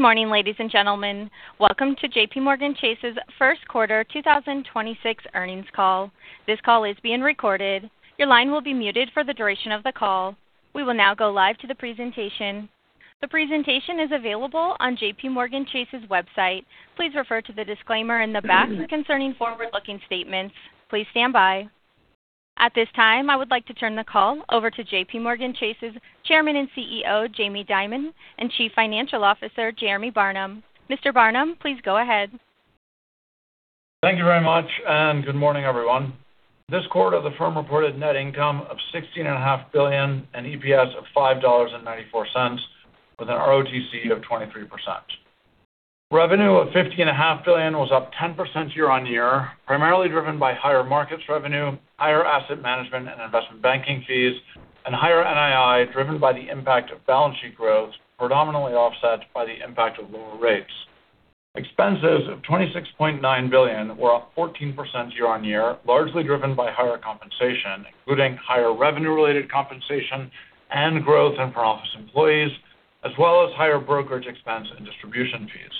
Good morning, ladies and gentlemen. Welcome to JPMorgan Chase's First Quarter 2026 Earnings Call. The presentation is available on JPMorgan Chase's website. Please refer to the disclaimer in the back concerning forward-looking statements. At this time, I would like to turn the call over to JPMorgan Chase's Chairman and CEO, Jamie Dimon, and Chief Financial Officer, Jeremy Barnum. Mr. Barnum, please go ahead. Thank you very much, and good morning, everyone. This quarter, the firm reported net income of $16.5 billion and EPS of $5.94, with an ROTCE of 23%. Revenue of $50.5 billion was up 10% year-on-year, primarily driven by higher markets revenue, higher asset management and investment banking fees, and higher NII driven by the impact of balance sheet growth, predominantly offset by the impact of lower rates. Expenses of $26.9 billion were up 14% year-on-year, largely driven by higher compensation, including higher revenue-related compensation and growth in front office employees, as well as higher brokerage expense and distribution fees.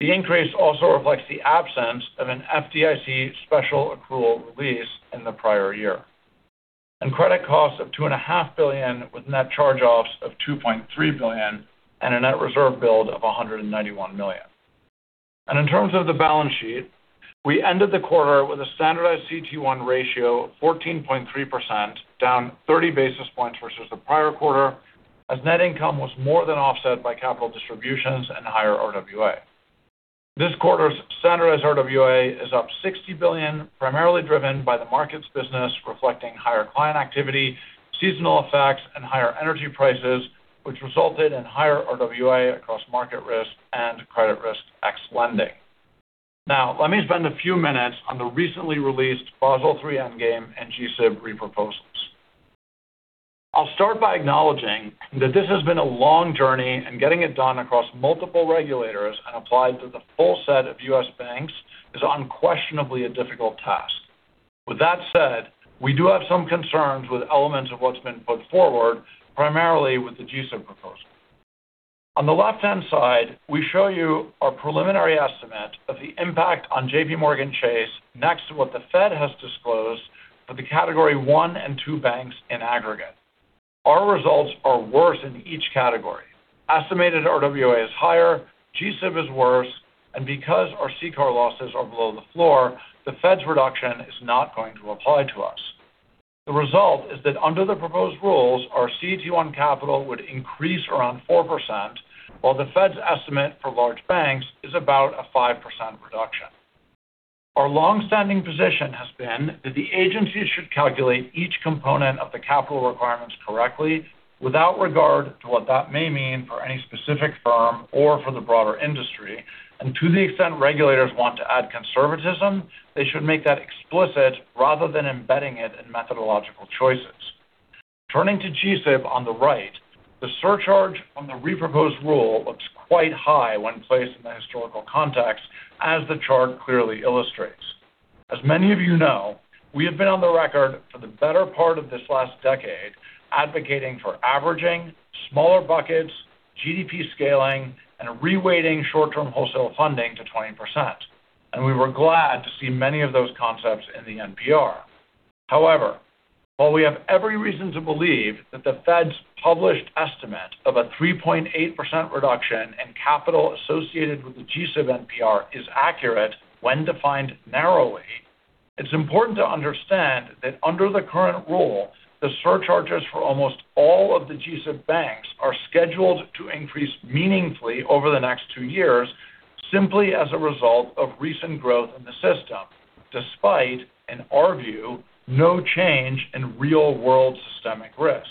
The increase also reflects the absence of an FDIC special accrual release in the prior year. Credit costs of $2.5 billion, with net charge-offs of $2.3 billion and a net reserve build of $191 million. In terms of the balance sheet, we ended the quarter with a standardized CT1 ratio of 14.3%, down 30 basis points versus the prior quarter, as net income was more than offset by capital distributions and higher RWA. This quarter's standardized RWA is up $60 billion, primarily driven by the Markets business, reflecting higher client activity, seasonal effects, and higher energy prices, which resulted in higher RWA across market risk and credit risk ex lending. Now, let me spend a few minutes on the recently released Basel III Endgame and G-SIB reproposals. I'll start by acknowledging that this has been a long journey, and getting it done across multiple regulators and applied to the full set of U.S. banks is unquestionably a difficult task. With that said, we do have some concerns with elements of what's been put forward, primarily with the G-SIB proposal. On the left-hand side, we show you a preliminary estimate of the impact on JPMorgan Chase next to what the Fed has disclosed for the category one and two banks in aggregate. Our results are worse in each category. Estimated RWA is higher, G-SIB is worse, and because our CCAR losses are below the floor, the Fed's reduction is not going to apply to us. The result is that under the proposed rules, our CT1 capital would increase around 4%, while the Fed's estimate for large banks is about a 5% reduction. Our longstanding position has been that the agencies should calculate each component of the capital requirements correctly, without regard to what that may mean for any specific firm or for the broader industry. To the extent regulators want to add conservatism, they should make that explicit rather than embedding it in methodological choices. Turning to G-SIB on the right, the surcharge on the reproposed rule looks quite high when placed in the historical context, as the chart clearly illustrates. As many of you know, we have been on the record for the better part of this last decade advocating for averaging, smaller buckets, GDP scaling, and reweighting short-term wholesale funding to 20%, and we were glad to see many of those concepts in the NPR. However, while we have every reason to believe that the Fed's published estimate of a 3.8% reduction in capital associated with the G-SIB NPR is accurate when defined narrowly, it's important to understand that under the current rule, the surcharges for almost all of the G-SIB banks are scheduled to increase meaningfully over the next two years simply as a result of recent growth in the system, despite, in our view, no change in real-world systemic risk.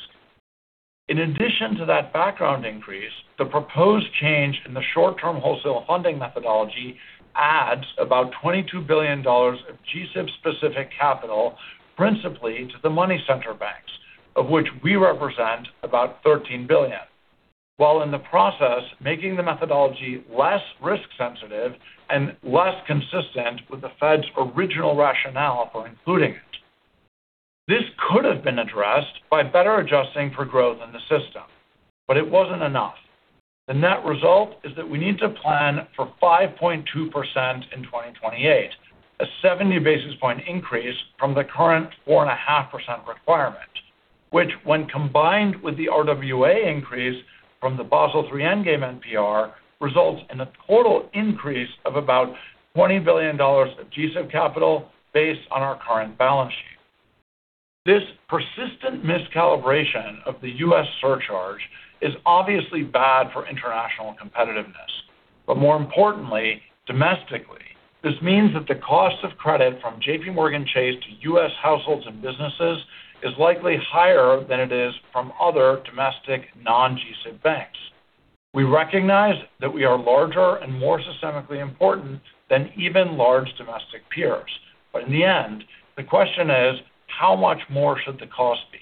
In addition to that background increase, the proposed change in the short-term wholesale funding methodology adds about $22 billion of G-SIB-specific capital, principally to the money center banks, of which we represent about $13 billion, while in the process, making the methodology less risk-sensitive and less consistent with the Fed's original rationale for including it. This could have been addressed by better adjusting for growth in the system, but it wasn't enough. The net result is that we need to plan for 5.2% in 2028, a 70 basis point increase from the current 4.5% requirement, which when combined with the RWA increase from the Basel III Endgame NPR, results in a total increase of about $20 billion of G-SIB capital based on our current balance sheet. This persistent miscalibration of the U.S. surcharge is obviously bad for international competitiveness, but more importantly, domestically. This means that the cost of credit from JPMorgan Chase to U.S. households and businesses is likely higher than it is from other domestic non-G-SIB banks. We recognize that we are larger and more systemically important than even large domestic peers. In the end, the question is how much more should the cost be?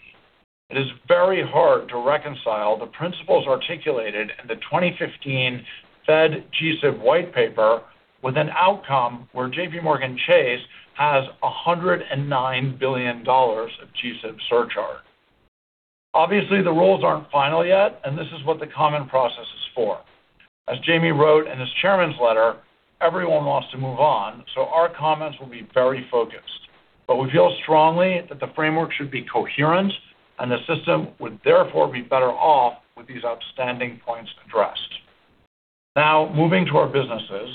It is very hard to reconcile the principles articulated in the 2015 Fed G-SIB white paper with an outcome where JPMorgan Chase has $109 billion of G-SIB surcharge. Obviously, the rules aren't final yet, and this is what the comment process is for. As Jamie wrote in his Chairman's letter, everyone wants to move on, so our comments will be very focused. We feel strongly that the framework should be coherent and the system would therefore be better off with these outstanding points addressed. Now, moving to our businesses.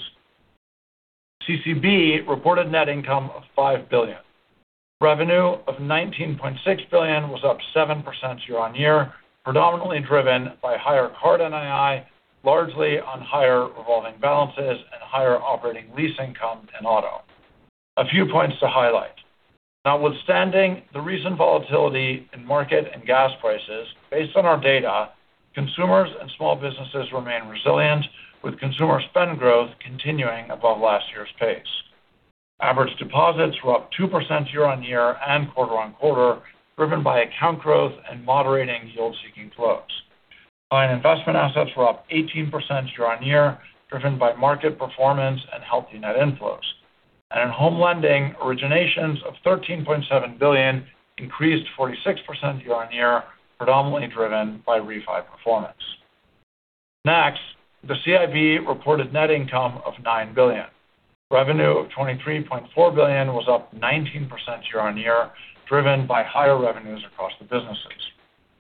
CCB reported net income of $5 billion. Revenue of $19.6 billion was up 7% year-on-year, predominantly driven by higher card NII, largely on higher revolving balances and higher operating lease income in auto. A few points to highlight. Notwithstanding the recent volatility in market and gas prices, based on our data, consumers and small businesses remain resilient, with consumer spend growth continuing above last year's pace. Average deposits were up 2% year-on-year and quarter-on-quarter, driven by account growth and moderating yield-seeking flows. Client investment assets were up 18% year-on-year, driven by market performance and healthy net inflows. In home lending, originations of $13.7 billion increased 46% year-on-year, predominantly driven by refi performance. Next, the CIB reported net income of $9 billion. Revenue of $23.4 billion was up 19% year-on-year, driven by higher revenues across the businesses.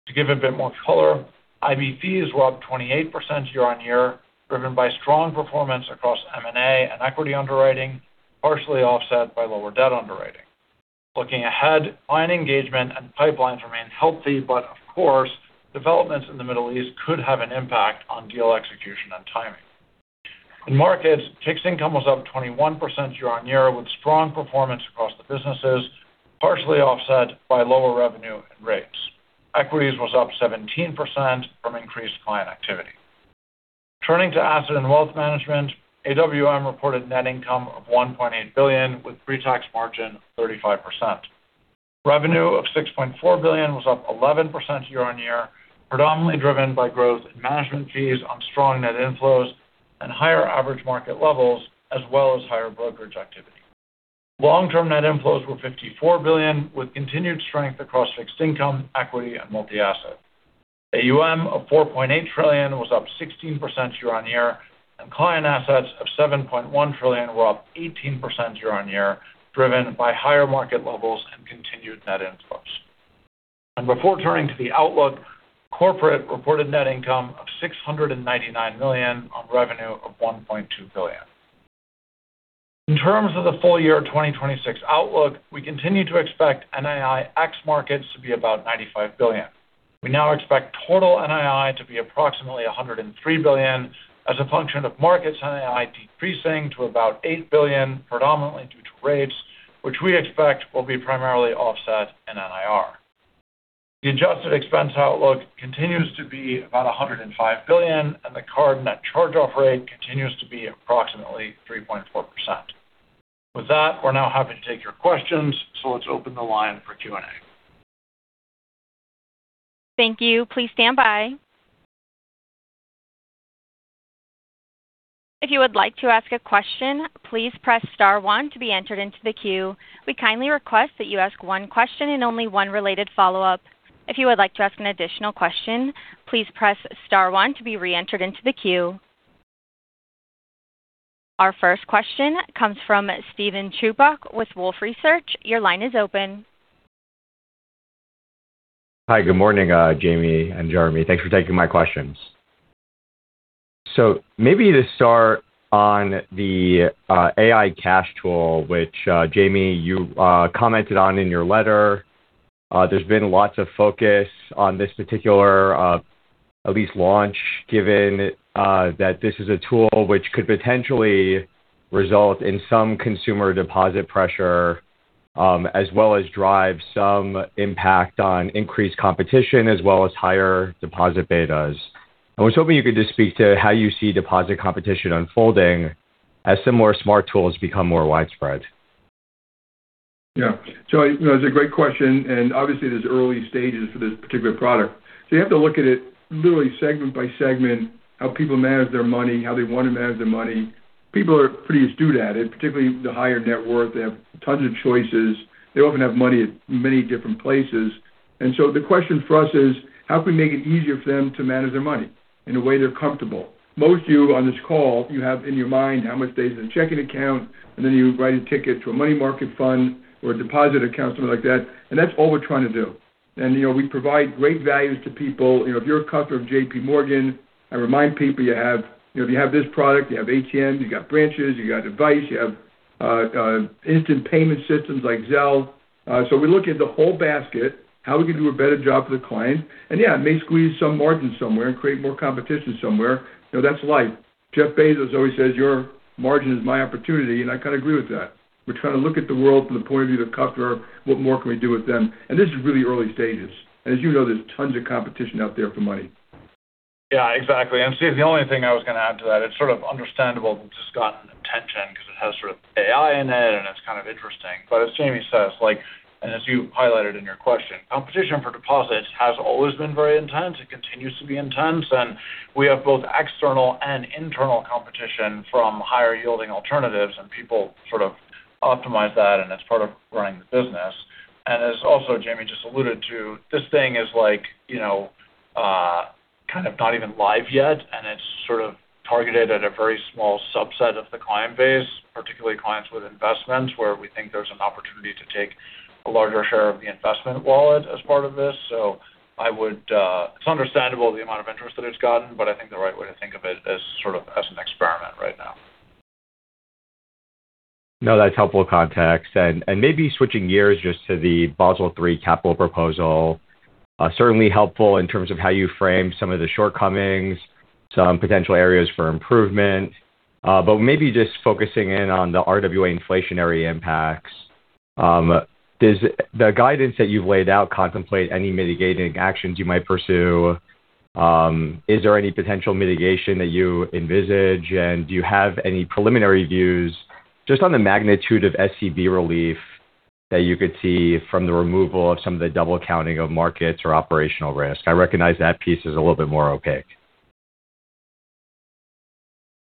To give a bit more color, IB fees were up 28% year-on-year, driven by strong performance across M&A and equity underwriting, partially offset by lower debt underwriting. Looking ahead, client engagement and pipelines remain healthy, but of course, developments in the Middle East could have an impact on deal execution and timing. In Markets, FICC income was up 21% year-on-year with strong performance across the businesses, partially offset by lower revenue and rates. Equities was up 17% from increased client activity. Turning to Asset and Wealth Management, AWM reported net income of $1.8 billion, with pre-tax margin of 35%. Revenue of $6.4 billion was up 11% year-on-year, predominantly driven by growth in management fees on strong net inflows and higher average market levels, as well as higher brokerage activity. Long-term net inflows were $54 billion, with continued strength across fixed income, equity, and multi-asset. AUM of $4.8 trillion was up 16% year-on-year, and client assets of $7.1 trillion were up 18% year-on-year, driven by higher market levels and continued net inflows. And before turning to the outlook, corporate reported net income of $699 million on revenue of $1.2 billion. In terms of the full year 2026 outlook, we continue to expect NII ex markets to be about $95 billion. We now expect total NII to be approximately $103 billion as a function of markets NII decreasing to about $8 billion, predominantly due to rates, which we expect will be primarily offset in NIR. The adjusted expense outlook continues to be about $105 billion, and the card net charge-off rate continues to be approximately 3.4%. With that, we're now happy to take your questions. So let's open the line for Q&A. If you would like to ask a question, please press star one to be entered into the queue. We kindly request that you ask one question and only one related follow-up. If you would like to ask an additional question, please press star one to be re-entered into the queue. Our first question comes from Steven Chubak with Wolfe Research. Your line is open. Hi, good morning, Jamie and Jeremy. Thanks for taking my questions. Maybe to start on the AI cash tool, which, Jamie, you commented on in your letter, there's been lots of focus on this particular, at least launch, given that this is a tool which could potentially result in some consumer deposit pressure, as well as drive some impact on increased competition as well as higher deposit betas. I was hoping you could just speak to how you see deposit competition unfolding as similar smart tools become more widespread. Yeah, it's a great question, and obviously, it's early stages for this particular product. You have to look at it literally segment by segment, how people manage their money, how they want to manage their money. People are pretty astute at it, particularly the higher net worth. They have tons of choices. They often have money at many different places. The question for us is, how can we make it easier for them to manage their money in a way they're comfortable? Most of you on this call, you have in your mind how much stays in a checking account, and then you write a ticket to a money market fund or a deposit account, something like that. That's all we're trying to do. We provide great values to people. Morgan, I remind people, if you have this product, you have ATMs, you got branches, you got advice, you have instant payment systems like Zelle. We look at the whole basket, how we can do a better job for the client. Yeah, it may squeeze some margin somewhere and create more competition somewhere. That's life. Jeff Bezos always says, "Your margin is my opportunity," and I kind of agree with that. We're trying to look at the world from the point of view of the customer. What more can we do with them? This is really early stages. As you know, there's tons of competition out there for money. Yeah, exactly. Steve, the only thing I was going to add to that, it's sort of understandable that this has gotten attention because it has sort of AI in it and it's kind of interesting. As Jamie says, and as you highlighted in your question, competition for deposits has always been very intense. It continues to be intense, and we have both external and internal competition from higher-yielding alternatives and people sort of. Optimize that and it's part of running the business. As also Jamie just alluded to, this thing is kind of not even live yet, and it's sort of targeted at a very small subset of the client base, particularly clients with investments, where we think there's an opportunity to take a larger share of the investment wallet as part of this. It's understandable the amount of interest that it's gotten, but I think the right way to think of it is sort of as an experiment right now. No, that's helpful context. Maybe switching gears just to the Basel III capital proposal, certainly helpful in terms of how you frame some of the shortcomings, some potential areas for improvement. Maybe just focusing in on the RWA inflationary impacts, does the guidance that you've laid out contemplate any mitigating actions you might pursue? Is there any potential mitigation that you envisage? Do you have any preliminary views just on the magnitude of SCB relief that you could see from the removal of some of the double counting of markets or operational risk? I recognize that piece is a little bit more opaque.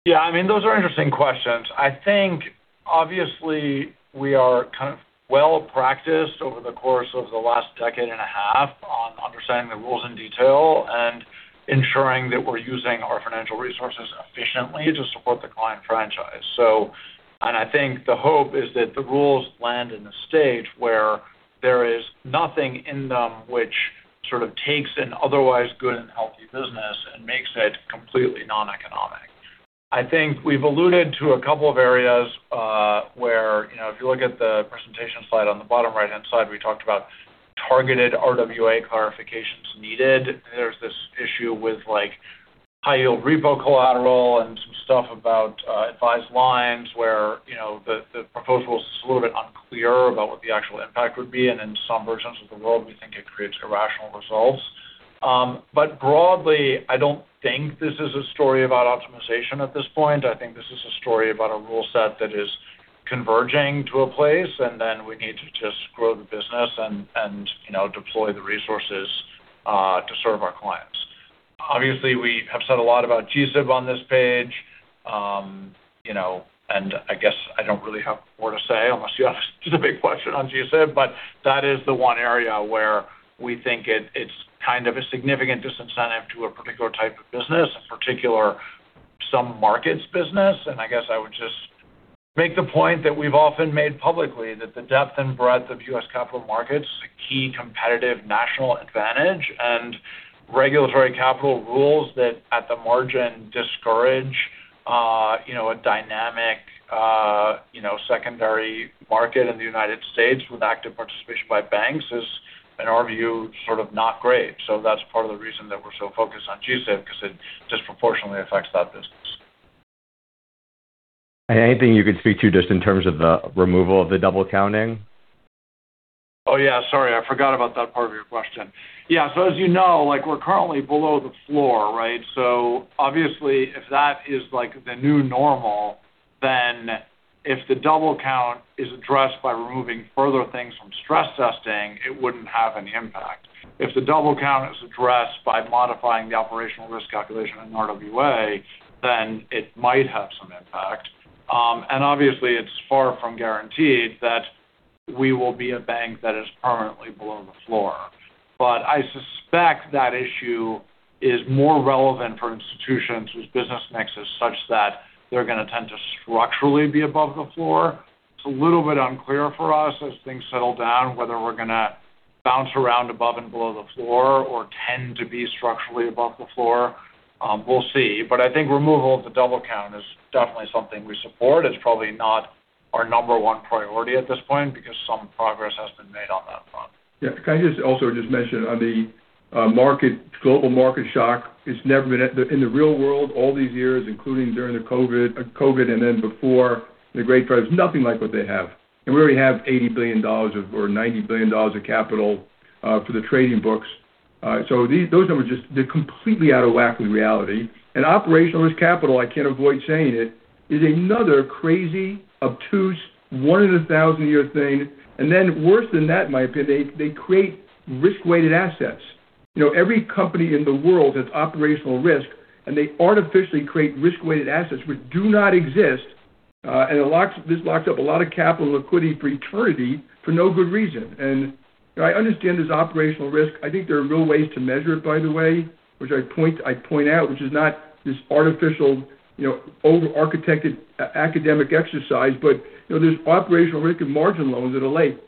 Yeah, those are interesting questions. I think obviously we are kind of well-practiced over the course of the last decade and a half on understanding the rules in detail and ensuring that we're using our financial resources efficiently to support the client franchise. I think the hope is that the rules land in a stage where there is nothing in them which sort of takes an otherwise good and healthy business and makes it completely non-economic. I think we've alluded to a couple of areas where, if you look at the presentation slide on the bottom right-hand side, we talked about targeted RWA clarifications needed. There's this issue with high-yield repo collateral and some stuff about advised lines where the proposal is a little bit unclear about what the actual impact would be, and in some versions of the world, we think it creates irrational results. Broadly, I don't think this is a story about optimization at this point. I think this is a story about a rule set that is converging to a place, and then we need to just grow the business and deploy the resources to serve our clients. Obviously, we have said a lot about G-SIB on this page. I guess I don't really have more to say unless you ask just a big question on G-SIB, but that is the one area where we think it's kind of a significant disincentive to a particular type of business, a particular some markets business. I guess I would just make the point that we've often made publicly that the depth and breadth of U.S. capital markets is a key competitive national advantage, and regulatory capital rules that at the margin discourage a dynamic secondary market in the United States with active participation by banks is, in our view, sort of not great. That's part of the reason that we're so focused on G-SIB, because it disproportionately affects that business. Anything you could speak to just in terms of the removal of the double counting? Oh, yeah. Sorry, I forgot about that part of your question. Yeah. As you know, we're currently below the floor, right? Obviously, if that is the new normal, then if the double count is addressed by removing further things from stress testing, it wouldn't have any impact. If the double count is addressed by modifying the operational risk calculation in RWA, then it might have some impact. Obviously, it's far from guaranteed that we will be a bank that is permanently below the floor. I suspect that issue is more relevant for institutions whose business mix is such that they're going to tend to structurally be above the floor. It's a little bit unclear for us as things settle down, whether we're going to bounce around above and below the floor or tend to be structurally above the floor. We'll see. I think removal of the double count is definitely something we support. It's probably not our number one priority at this point because some progress has been made on that front. Yeah. Can I just also just mention on the Global Market Shock? It's never been in the real world all these years, including during the COVID and then before the Great Crisis, nothing like what they have. We already have $80 billion or $90 billion of capital for the trading books. Those numbers just, they're completely out of whack with reality. Operational risk capital, I can't avoid saying it, is another crazy, obtuse one in 1,000 year thing. Worse than that, in my opinion, they create risk-weighted assets. Every company in the world has operational risk, and they artificially create risk-weighted assets which do not exist, and this locks up a lot of capital liquidity for eternity for no good reason. I understand there's operational risk. I think there are real ways to measure it, by the way, which I point out, which is not this artificial, over-architected academic exercise. There's operational risk in margin loans that are late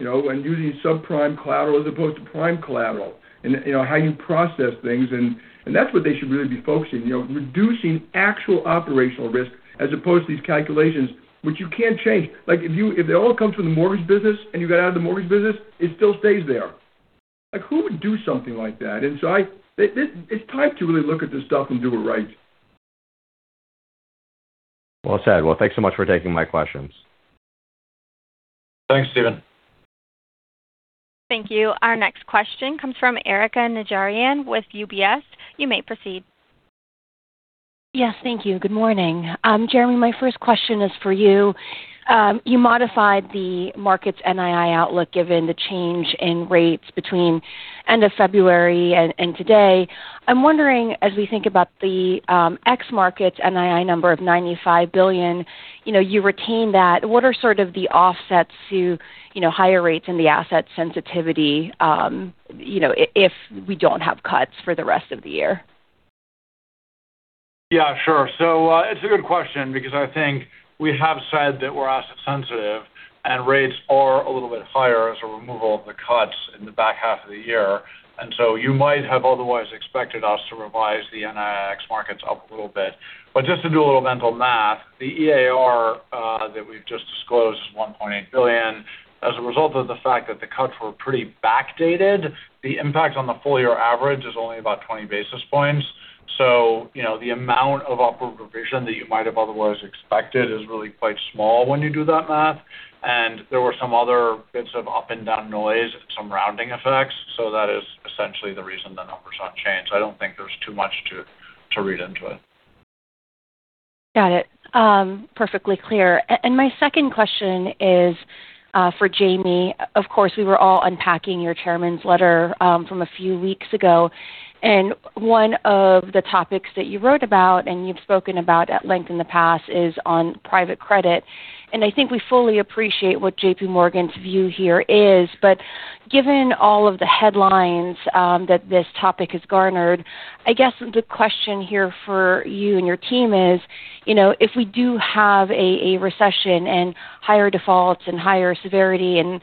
and using subprime collateral as opposed to prime collateral and how you process things, and that's what they should really be focusing, reducing actual operational risk as opposed to these calculations which you can't change. If it all comes from the mortgage business and you got out of the mortgage business, it still stays there. Who would do something like that? It's time to really look at this stuff and do it right. Well said. Well, thanks so much for taking my questions. Thanks, Steven. Thank you. Our next question comes from Erika Najarian with UBS. You may proceed. Yes. Thank you. Good morning. Jeremy, my first question is for you. You modified the Markets NII outlook given the change in rates between end of February and today. I'm wondering, as we think about the ex-market NII number of $95 billion, you retain that? What are sort of the offsets to higher rates and the asset sensitivity if we don't have cuts for the rest of the year? Yeah, sure. It's a good question because I think we have said that we're asset sensitive and rates are a little bit higher as a removal of the cuts in the back half of the year. You might have otherwise expected us to revise the NII ex markets up a little bit. Just to do a little mental math, the EAR that we've just disclosed is $1.8 billion. As a result of the fact that the cuts were pretty backdated, the impact on the full year average is only about 20 basis points. The amount of upward revision that you might have otherwise expected is really quite small when you do that math. There were some other bits of up and down noise, some rounding effects. That is essentially the reason the numbers aren't changed. I don't think there's too much to read into it. Got it. Perfectly clear. My second question is for Jamie. Of course, we were all unpacking your Chairman's letter from a few weeks ago. One of the topics that you wrote about, and you've spoken about at length in the past, is on private credit. I think we fully appreciate what JPMorgan's view here is. Given all of the headlines that this topic has garnered, I guess the question here for you and your team is, if we do have a recession and higher defaults and higher severity and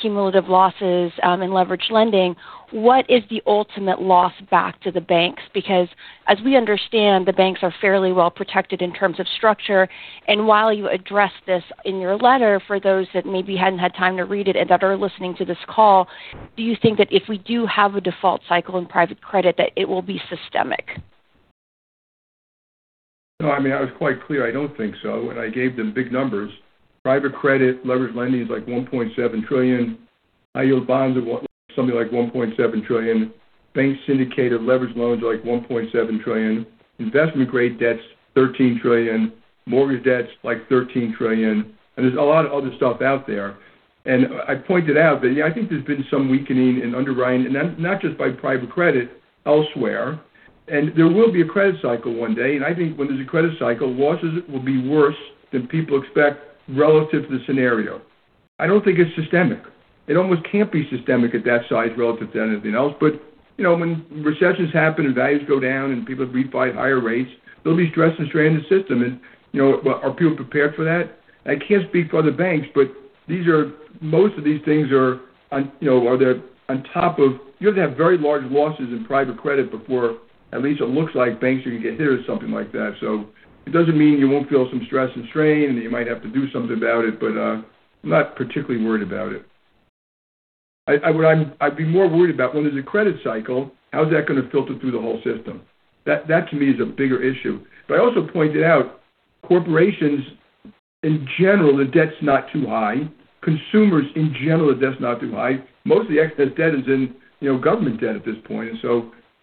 cumulative losses in leveraged lending, what is the ultimate loss back to the banks? Because as we understand, the banks are fairly well protected in terms of structure. While you address this in your letter, for those that maybe hadn't had time to read it and that are listening to this call, do you think that if we do have a default cycle in private credit, that it will be systemic? No, I was quite clear. I don't think so. I gave the big numbers. Private credit leveraged lending is like $1.7 trillion. High yield bonds are something like $1.7 trillion. Bank syndicated leverage loans are like $1.7 trillion. Investment grade debt's $13 trillion. Mortgage debt's like $13 trillion. There's a lot of other stuff out there. I pointed out that I think there's been some weakening in underwriting, and not just by private credit, elsewhere. There will be a credit cycle one day. I think when there's a credit cycle, losses will be worse than people expect relative to the scenario. I don't think it's systemic. It almost can't be systemic at that size relative to anything else. When recessions happen and values go down and people refi at higher rates, there'll be stress and strain in the system. Are people prepared for that? I can't speak for other banks, but most of these things are on top of, you have to have very large losses in private credit before at least it looks like banks are going to get hit or something like that. It doesn't mean you won't feel some stress and strain, and that you might have to do something about it, but I'm not particularly worried about it. What I'd be more worried about, when there's a credit cycle, how's that going to filter through the whole system? That, to me, is a bigger issue. I also pointed out, corporations in general, the debt's not too high. Consumers in general, the debt's not too high. Most of the excess debt is in government debt at this point.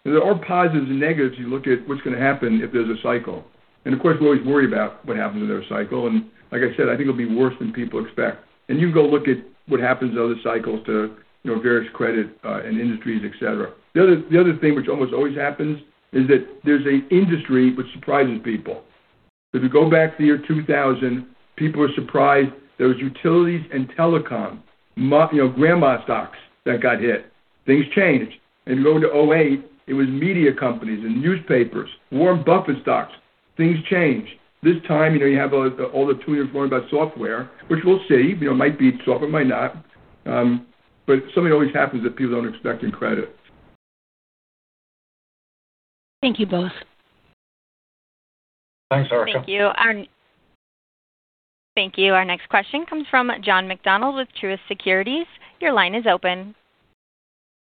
There are positives and negatives as you look at what's going to happen if there's a cycle. Of course, we always worry about what happens with every cycle. Like I said, I think it'll be worse than people expect. You can go look at what happens in other cycles to various credit and industries, et cetera. The other thing which almost always happens is that there's an industry which surprises people. If you go back to the year 2000, people were surprised there was utilities and telecom, Grandma stocks that got hit. Things changed. You go into 2008, it was media companies and newspapers, Warren Buffett stocks. Things change. This time you have all the Twittersphere about software, which we'll see. It might be software, it might not. Something always happens that people don't expect in credit. Thank you both. Thanks, Erika. Thank you. Our next question comes from John McDonald with Truist Securities. Your line is open.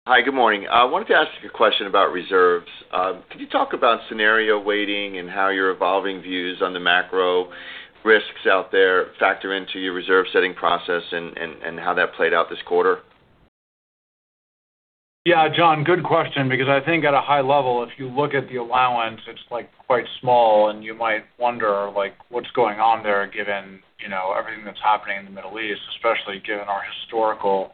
Hi. Good morning. I wanted to ask you a question about reserves. Could you talk about scenario weighting and how your evolving views on the macro risks out there factor into your reserve setting process and how that played out this quarter? Yeah. John, good question because I think at a high level, if you look at the allowance, it's quite small and you might wonder what's going on there given everything that's happening in the Middle East, especially given our historical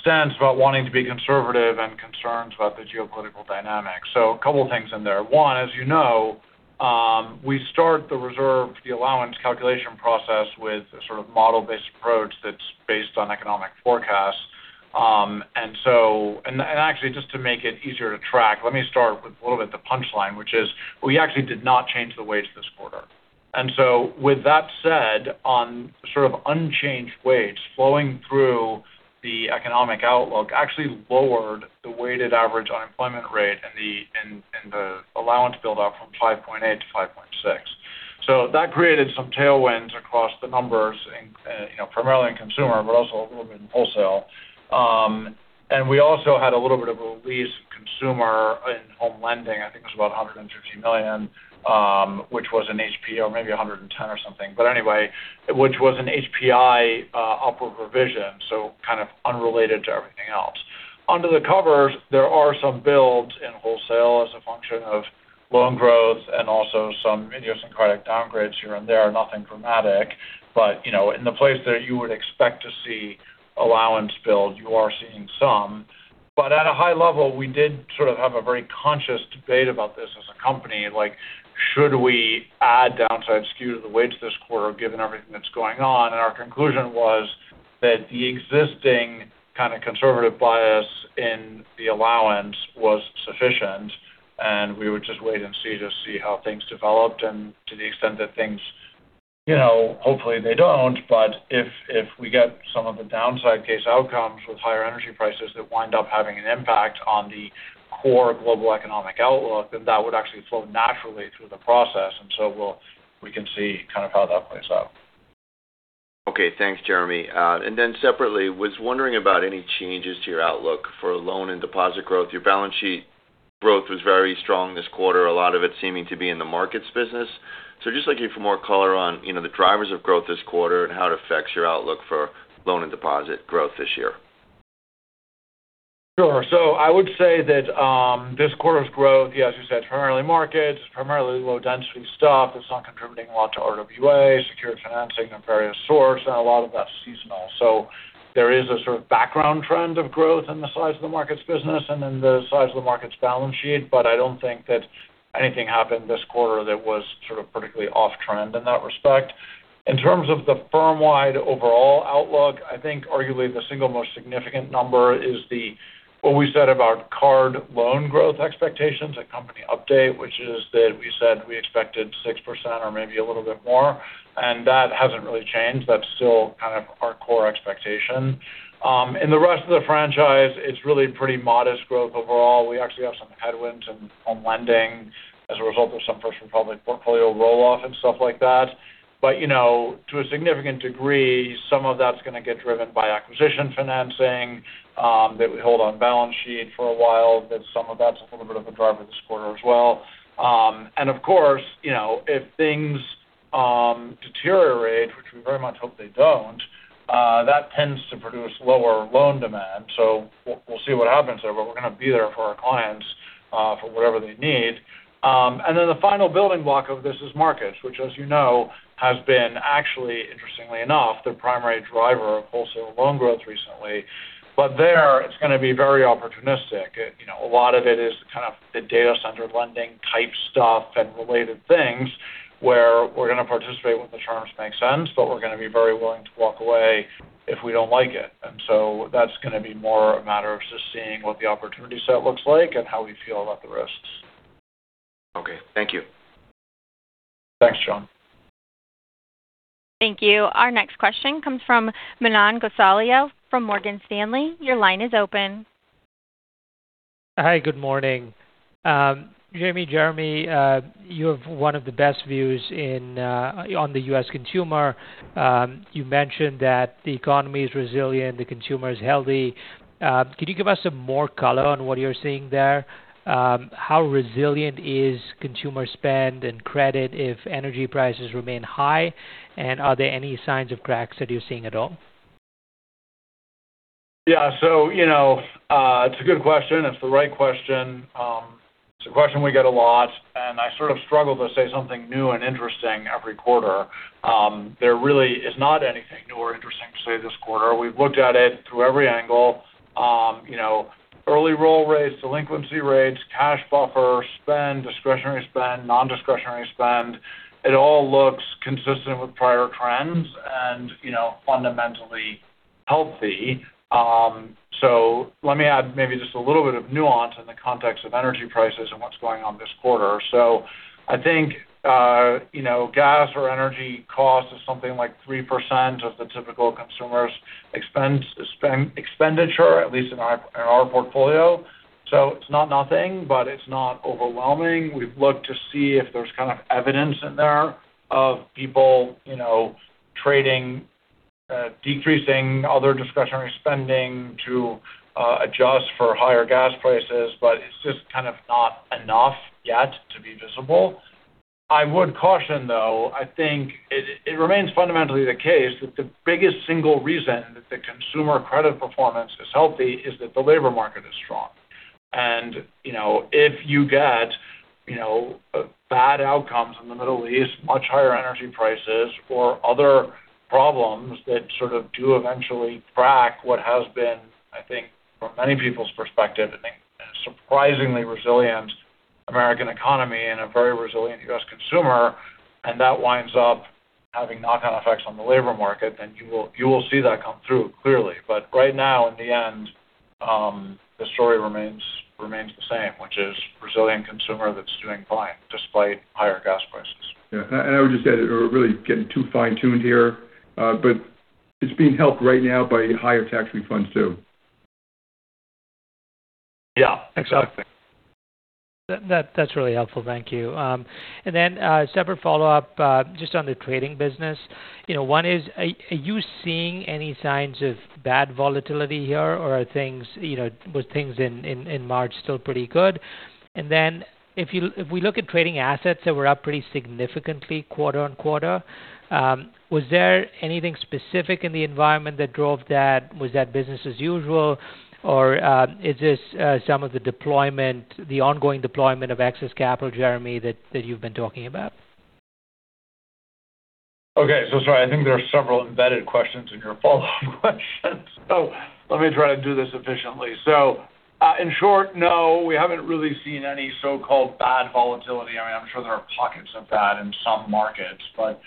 stance about wanting to be conservative and concerns about the geopolitical dynamics. A couple things in there. One, as you know, we start the reserve, the allowance calculation process with a sort of model-based approach that's based on economic forecasts. Actually, just to make it easier to track, let me start with a little bit the punchline, which is we actually did not change the weights this quarter. With that said, on sort of unchanged weights flowing through the economic outlook actually lowered the weighted average unemployment rate in the allowance build out from 5.8%-5.6%. That created some tailwinds across the numbers primarily in consumer, but also a little bit in wholesale. We also had a little bit of a release consumer in home lending. I think it was about $150 million, maybe $110 or something, anyway, which was an HPI upward revision, so kind of unrelated to everything else. Under the covers, there are some builds in wholesale as a function of loan growth and also some idiosyncratic downgrades here and there. Nothing dramatic. In the place that you would expect to see allowance build, you are seeing some. At a high level, we did sort of have a very conscious debate about this as a company, like should we add downside skew to the weights this quarter given everything that's going on? Our conclusion was that the existing kind of conservative bias in the allowance was sufficient, and we would just wait and see to see how things developed and to the extent that things, hopefully they don't, but if we get some of the downside case outcomes with higher energy prices that wind up having an impact on the core global economic outlook, then that would actually flow naturally through the process. We can see kind of how that plays out. Okay. Thanks, Jeremy. Separately, I was wondering about any changes to your outlook for loan and deposit growth. Your balance sheet growth was very strong this quarter, a lot of it seeming to be in the Markets business. I am just looking for more color on the drivers of growth this quarter and how it affects your outlook for loan and deposit growth this year. Sure. I would say that this quarter's growth, yeah, as you said, primarily Markets, primarily low-density stuff that's not contributing a lot to RWA, secured financing of various sorts, and a lot of that's seasonal. There is a sort of background trend of growth in the size of the Markets business and in the size of the Markets balance sheet. I don't think that anything happened this quarter that was sort of particularly off-trend in that respect. In terms of the firm-wide overall outlook, I think arguably the single most significant number is what we said about card loan growth expectations at Company Update, which is that we said we expected 6% or maybe a little bit more, and that hasn't really changed. That's still kind of our core expectation. In the rest of the franchise, it's really pretty modest growth overall. We actually have some headwinds in Home Lending as a result of some First Republic portfolio roll-off and stuff like that. To a significant degree, some of that's going to get driven by acquisition financing that we hold on balance sheet for a while, that some of that's a little bit of a driver this quarter as well. Of course, if things deteriorate, which we very much hope they don't, that tends to produce lower loan demand. We'll see what happens there, but we're going to be there for our clients for whatever they need. The final building block of this is Markets, which as you know, has been actually, interestingly enough, the primary driver of wholesale loan growth recently. There, it's going to be very opportunistic. A lot of it is kind of the data center lending type stuff and related things where we're going to participate when the terms make sense, but we're going to be very willing to walk away if we don't like it. That's going to be more a matter of just seeing what the opportunity set looks like and how we feel about the risks. Okay. Thank you. Thanks, John. Thank you. Our next question comes from Manan Gosalia from Morgan Stanley. Your line is open. Hi. Good morning. Jeremy, you have one of the best views on the U.S. consumer. You mentioned that the economy is resilient, the consumer is healthy. Could you give us some more color on what you're seeing there? How resilient is consumer spend and credit if energy prices remain high? Are there any signs of cracks that you're seeing at all? Yeah. It's a good question. It's the right question. It's a question we get a lot, and I sort of struggle to say something new and interesting every quarter. There really is not anything new or interesting to say this quarter. We've looked at it through every angle, early roll rates, delinquency rates, cash buffer, spend, discretionary spend, non-discretionary spend. It all looks consistent with prior trends and fundamentally healthy. Let me add maybe just a little bit of nuance in the context of energy prices and what's going on this quarter. I think gas or energy cost is something like 3% of the typical consumer's expenditure, at least in our portfolio. It's not nothing, but it's not overwhelming. We've looked to see if there's kind of evidence in there of people trading, decreasing other discretionary spending to adjust for higher gas prices, but it's just kind of not enough yet to be visible. I would caution, though, I think it remains fundamentally the case that the biggest single reason that the consumer credit performance is healthy is that the labor market is strong. If you get bad outcomes in the Middle East, much higher energy prices or other problems that sort of do eventually crack what has been, I think from many people's perspective, a surprisingly resilient American economy and a very resilient U.S. consumer, and that winds up having knock-on effects on the labor market, then you will see that come through, clearly. Right now, in the end, the story remains the same, which is resilient consumer that's doing fine despite higher gas prices. Yeah. I would just add, we're really getting too fine-tuned here. It's being helped right now by higher tax refunds, too. Yeah, exactly. That's really helpful. Thank you. A separate follow-up, just on the trading business, one is, are you seeing any signs of bad volatility here, or were things in March still pretty good? If we look at trading assets that were up pretty significantly quarter-on-quarter, was there anything specific in the environment that drove that? Was that business as usual or is this some of the deployment, the ongoing deployment of excess capital, Jeremy, that you've been talking about? Okay. Sorry. I think there are several embedded questions in your follow-up questions. Let me try to do this efficiently. In short, no. We haven't really seen any so-called bad volatility. I mean, I'm sure there are pockets of that in some markets, but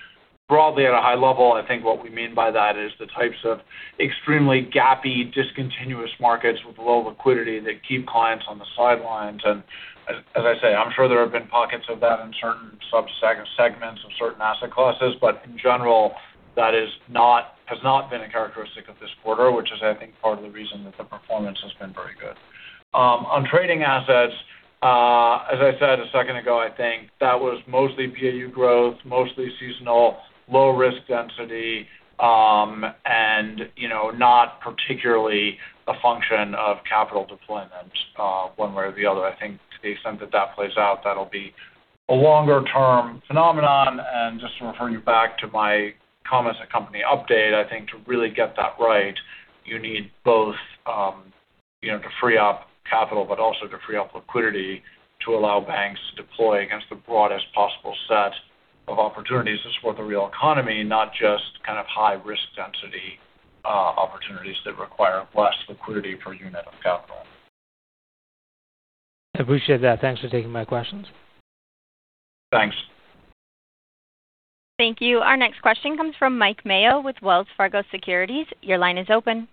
broadly at a high level, I think what we mean by that is the types of extremely gappy discontinuous markets with low liquidity that keep clients on the sidelines. As I say, I'm sure there have been pockets of that in certain subsegments of certain asset classes. In general, that has not been a characteristic of this quarter, which is, I think, part of the reason that the performance has been very good. On trading assets, as I said a second ago, I think that was mostly BAU growth, mostly seasonal, low-risk density, and not particularly a function of capital deployment, one way or the other. I think to the extent that that plays out, that'll be a longer-term phenomenon. Just to refer you back to my comments and Company Update, I think to really get that right, you need both to free up capital, but also to free up liquidity to allow banks to deploy against the broadest possible set of opportunities to support the real economy, not just kind of high-risk density opportunities that require less liquidity per unit of capital. I appreciate that. Thanks for taking my questions. Thanks. Thank you. Our next question comes from Mike Mayo with Wells Fargo Securities. Your line is open.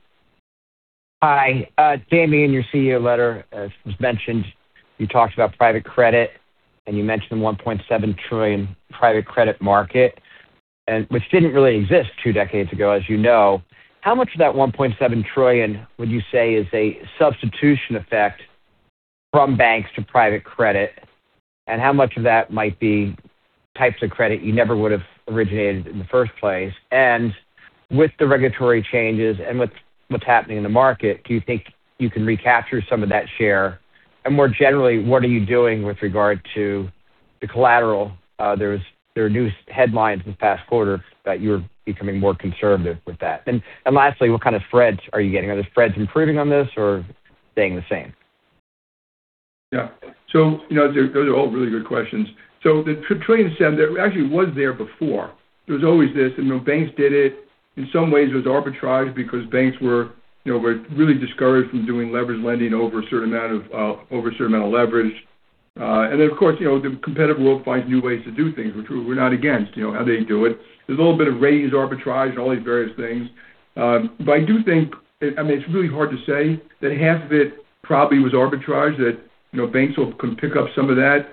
Hi. Jamie, in your CEO letter, as was mentioned, you talked about private credit, and you mentioned the $1.7 trillion private credit market, which didn't really exist two decades ago, as you know. How much of that $1.7 trillion would you say is a substitution effect from banks to private credit, and how much of that might be types of credit you never would have originated in the first place? With the regulatory changes and with what's happening in the market, do you think you can recapture some of that share? More generally, what are you doing with regard to the collateral? There are news headlines this past quarter that you're becoming more conservative with that. Lastly, what kind of spreads are you getting? Are the spreads improving on this or staying the same? Yeah. Those are all really good questions. The trillion actually was there before. There was always this, and banks did it. In some ways it was arbitraged because banks were really discouraged from doing leveraged lending over a certain amount of leverage. Of course, the competitive world finds new ways to do things, which we're not against how they do it. There's a little bit of rate arbitrage and all these various things. I do think, I mean, it's really hard to say that half of it probably was arbitrage, that banks could pick up some of that.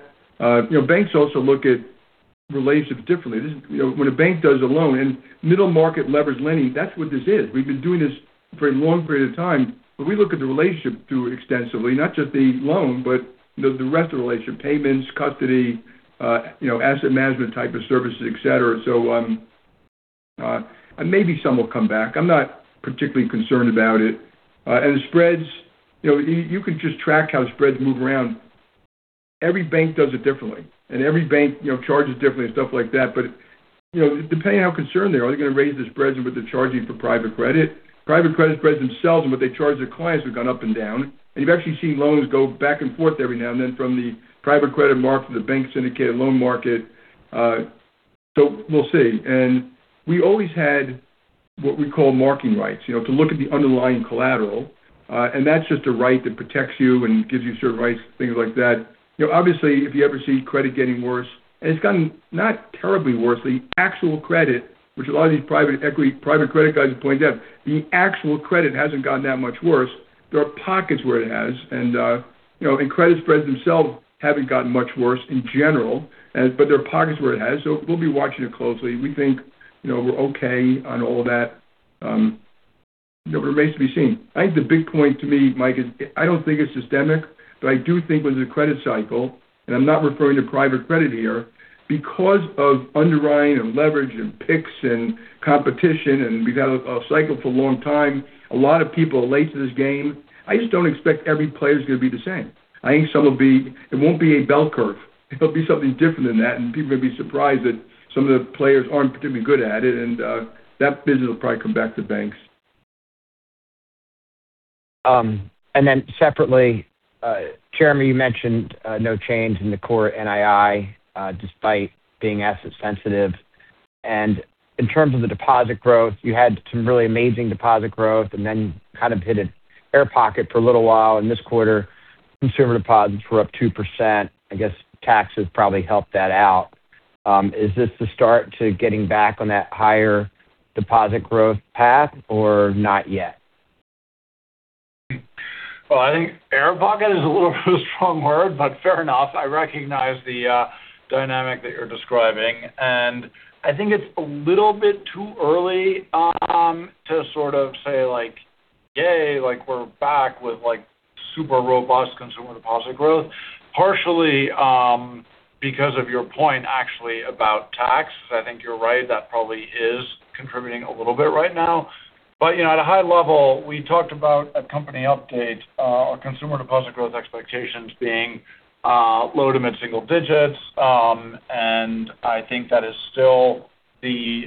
Banks also look at relationships differently. When a bank does a loan in middle-market leveraged lending, that's what this is. We've been doing this for a long period of time, but we look at the relationship too extensively, not just the loan, but the rest of the relationship, payments, custody, asset management type of services, et cetera. Maybe some will come back. I'm not particularly concerned about it. The spreads, you could just track how spreads move around. Every bank does it differently, and every bank charges differently and stuff like that. Depending on how concerned they are, they're going to raise the spreads of what they're charging for private credit. Private credit spreads themselves and what they charge their clients have gone up and down, and you've actually seen loans go back and forth every now and then from the private credit market to the bank syndicated loan market. We'll see. We always had what we call marking rights to look at the underlying collateral. That's just a right that protects you and gives you certain rights, things like that. Obviously, if you ever see credit getting worse, and it's gotten not terribly worse, the actual credit, which a lot of these private equity, private credit guys are pointing out, the actual credit hasn't gotten that much worse. There are pockets where it has, and credit spreads themselves haven't gotten much worse in general, but there are pockets where it has. We'll be watching it closely. We think we're okay on all that. It remains to be seen. I think the big point to me, Mike, is I don't think it's systemic, but I do think when the credit cycle, and I'm not referring to private credit here, because of underwriting and leverage and PIKs and competition, we've had a cycle for a long time. A lot of people are late to this game. I just don't expect every player is going to be the same. I think some will be. It won't be a bell curve. It'll be something different than that, and people are going to be surprised that some of the players aren't particularly good at it, and that business will probably come back to banks. Separately, Jeremy, you mentioned no change in the core NII despite being asset sensitive. In terms of the deposit growth, you had some really amazing deposit growth and then kind of hit an air pocket for a little while. In this quarter, consumer deposits were up 2%. I guess tax has probably helped that out. Is this the start to getting back on that higher deposit growth path or not yet? Well, I think air pocket is a little bit of a strong word, but fair enough. I recognize the dynamic that you're describing, and I think it's a little bit too early to sort of say, like, yay, we're back with super robust consumer deposit growth, partially because of your point actually about tax. I think you're right. That probably is contributing a little bit right now. At a high level, we talked about at company updates, our consumer deposit growth expectations being low to mid-single digits. I think that is still the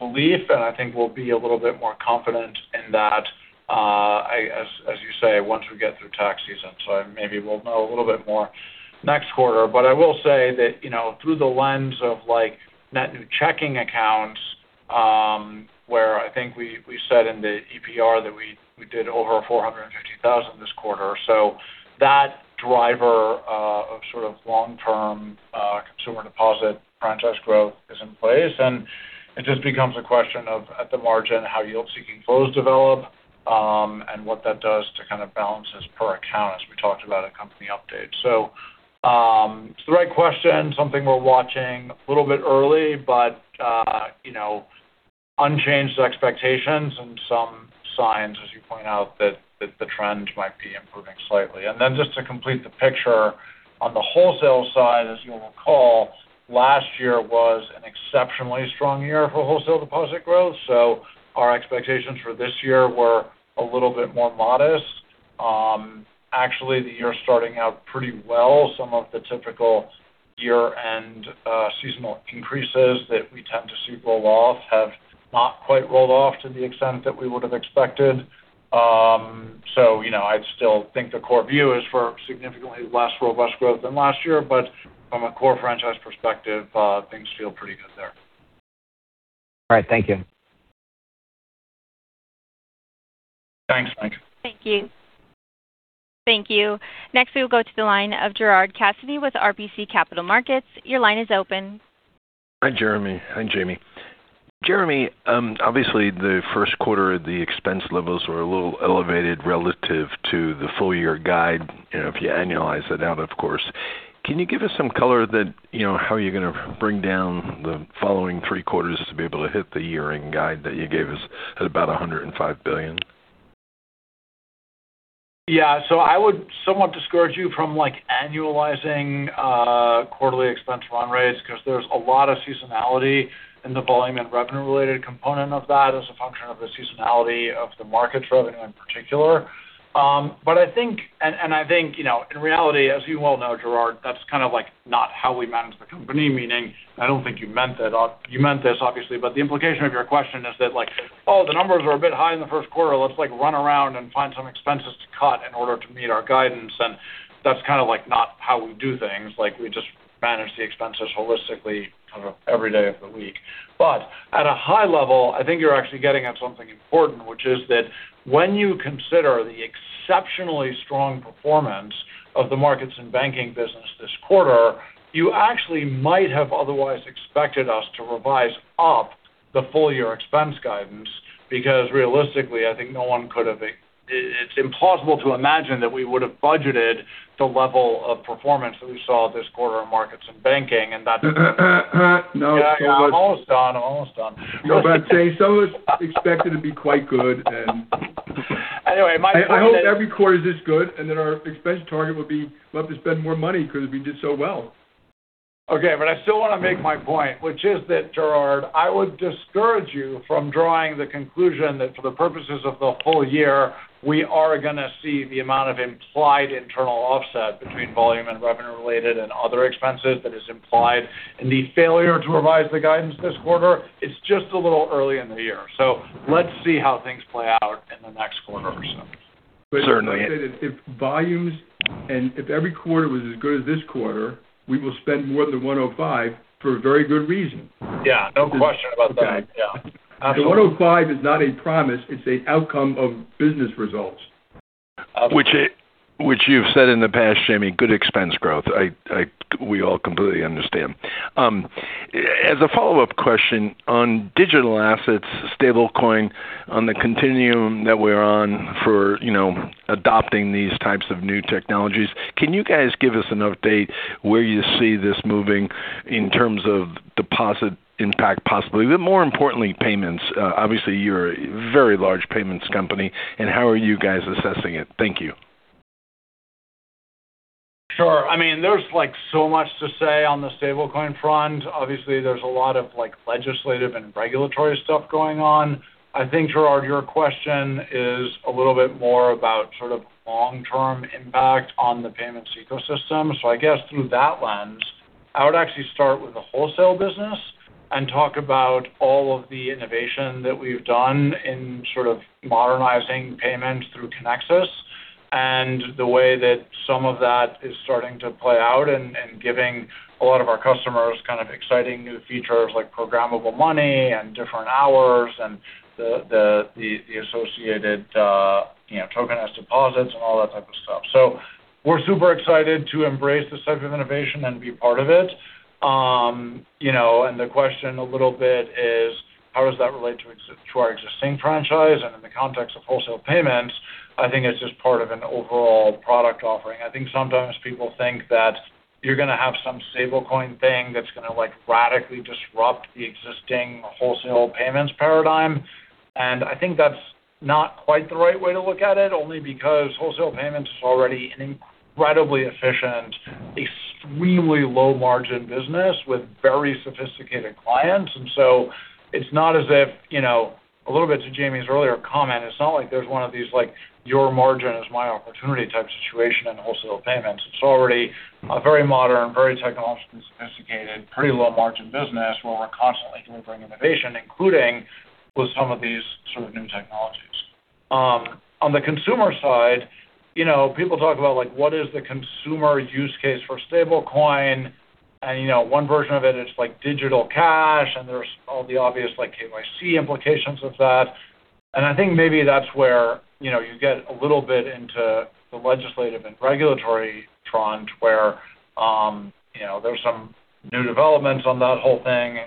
belief, and I think we'll be a little bit more confident in that, as you say, once we get through tax season. Maybe we'll know a little bit more next quarter. I will say that through the lens of net new checking accounts, where I think we said in the EPR that we did over 450,000 this quarter, that driver of sort of long-term consumer deposit franchise growth is in place. It just becomes a question of, at the margin, how yield-seeking flows develop, and what that does to kind of balance as per account, as we talked about at Company Update. It's the right question, something we're watching a little bit early, but unchanged expectations and some signs, as you point out, that the trends might be improving slightly. Just to complete the picture on the wholesale side, as you'll recall, last year was an exceptionally strong year for wholesale deposit growth. Our expectations for this year were a little bit more modest. Actually, the year's starting out pretty well. Some of the typical year-end seasonal increases that we tend to see roll off have not quite rolled off to the extent that we would have expected. I'd still think the core view is for significantly less robust growth than last year. From a core franchise perspective, things feel pretty good there. All right. Thank you. Thanks, Mike. Thank you. Next, we will go to the line of Gerard Cassidy with RBC Capital Markets. Your line is open. Hi, Jeremy. Hi, Jamie. Jeremy, obviously the first quarter, the expense levels were a little elevated relative to the full-year guide, if you annualize it out, of course. Can you give us some color that how you're going to bring down the following three quarters to be able to hit the year-end guide that you gave us at about $105 billion? Yeah. I would somewhat discourage you from annualizing quarterly expense run rates because there's a lot of seasonality in the volume and revenue-related component of that as a function of the seasonality of the Markets revenue in particular. I think, in reality, as you well know, Gerard, that's kind of not how we manage the company. Meaning, I don't think you meant this, obviously, but the implication of your question is that, like, "Oh, the numbers are a bit high in the first quarter. Let's run around and find some expenses to cut in order to meet our guidance." That's kind of not how we do things. We just manage the expenses holistically kind of every day of the week. At a high level, I think you're actually getting at something important, which is that when you consider the exceptionally strong performance of the Markets and Banking business this quarter, you actually might have otherwise expected us to revise up the full-year expense guidance. Because realistically, I think it's impossible to imagine that we would've budgeted the level of performance that we saw this quarter in Markets and Banking. No. Yeah, I'm almost done. No, I'm saying some of it's expected to be quite good. Anyway, my point is. I hope every quarter's this good, and then our expense target would be love to spend more money because we did so well. Okay. I still want to make my point, which is that, Gerard, I would discourage you from drawing the conclusion that for the purposes of the whole year, we are going to see the amount of implied internal offset between volume and revenue-related and other expenses that is implied in the failure to revise the guidance this quarter. It's just a little early in the year. Let's see how things play out in the next quarter or so. Certainly. If volumes and if every quarter was as good as this quarter, we will spend more than $105 for a very good reason. Yeah, no question about that. Okay. Yeah. Absolutely. The $105 is not a promise, it's an outcome of business results. Which you've said in the past, Jamie, good expense growth. We all completely understand. As a follow-up question, on digital assets, stablecoin, on the continuum that we're on for adopting these types of new technologies, can you guys give us an update where you see this moving in terms of deposit impact possibly, but more importantly, payments? Obviously, you're a very large payments company, and how are you guys assessing it? Thank you. Sure. There's so much to say on the stablecoin front. Obviously, there's a lot of legislative and regulatory stuff going on. I think, Gerard, your question is a little bit more about sort of long-term impact on the payments ecosystem. I guess through that lens, I would actually start with the wholesale business and talk about all of the innovation that we've done in sort of modernizing payments through Kinexys and the way that some of that is starting to play out and giving a lot of our customers kind of exciting new features like programmable money and different hours and the associated token as deposits and all that type of stuff. We're super excited to embrace this type of innovation and be part of it. The question a little bit is how does that relate to our existing franchise? In the context of wholesale payments, I think it's just part of an overall product offering. I think sometimes people think that you're going to have some stablecoin thing that's going to radically disrupt the existing wholesale payments paradigm. I think that's not quite the right way to look at it, only because wholesale payments is already an incredibly efficient, extremely low-margin business with very sophisticated clients. It's not as if, a little bit to Jamie's earlier comment, it's not like there's one of these your margin is my opportunity type situation in wholesale payments. It's already a very modern, very technologically sophisticated, pretty low-margin business where we're constantly delivering innovation, including with some of these sort of new technologies. On the consumer side, people talk about what is the consumer use case for stablecoin, and one version of it is digital cash, and there's all the obvious KYC implications of that. I think maybe that's where you get a little bit into the legislative and regulatory front where there's some new developments on that whole thing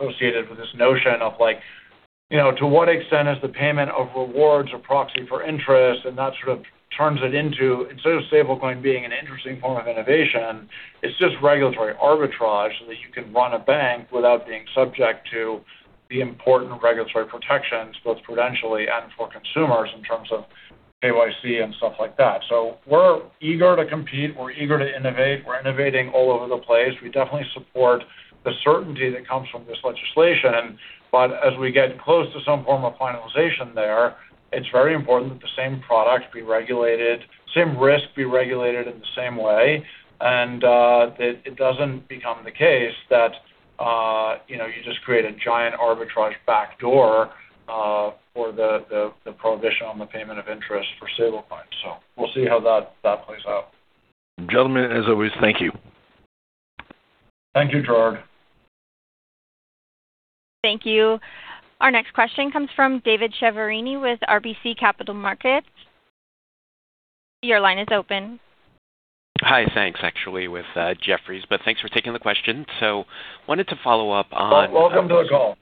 associated with this notion of to what extent is the payment of rewards a proxy for interest. That sort of turns it into, instead of stablecoin being an interesting form of innovation, it's just regulatory arbitrage so that you can run a bank without being subject to the important regulatory protections, both prudentially and for consumers in terms of KYC and stuff like that. We're eager to compete, we're eager to innovate. We're innovating all over the place. We definitely support the certainty that comes from this legislation. As we get close to some form of finalization there, it's very important that the same product be regulated, same risk be regulated in the same way, and that it doesn't become the case that you just create a giant arbitrage backdoor for the prohibition on the payment of interest for stablecoins. We'll see how that plays out. Gentlemen, as always, thank you. Thank you, Gerard. Thank you. Our next question comes from David Chiaverini with RBC Capital Markets. Your line is open. Hi. Thanks. Actually with Jefferies, but thanks for taking the question. So wanted to follow up on- Welcome to the call.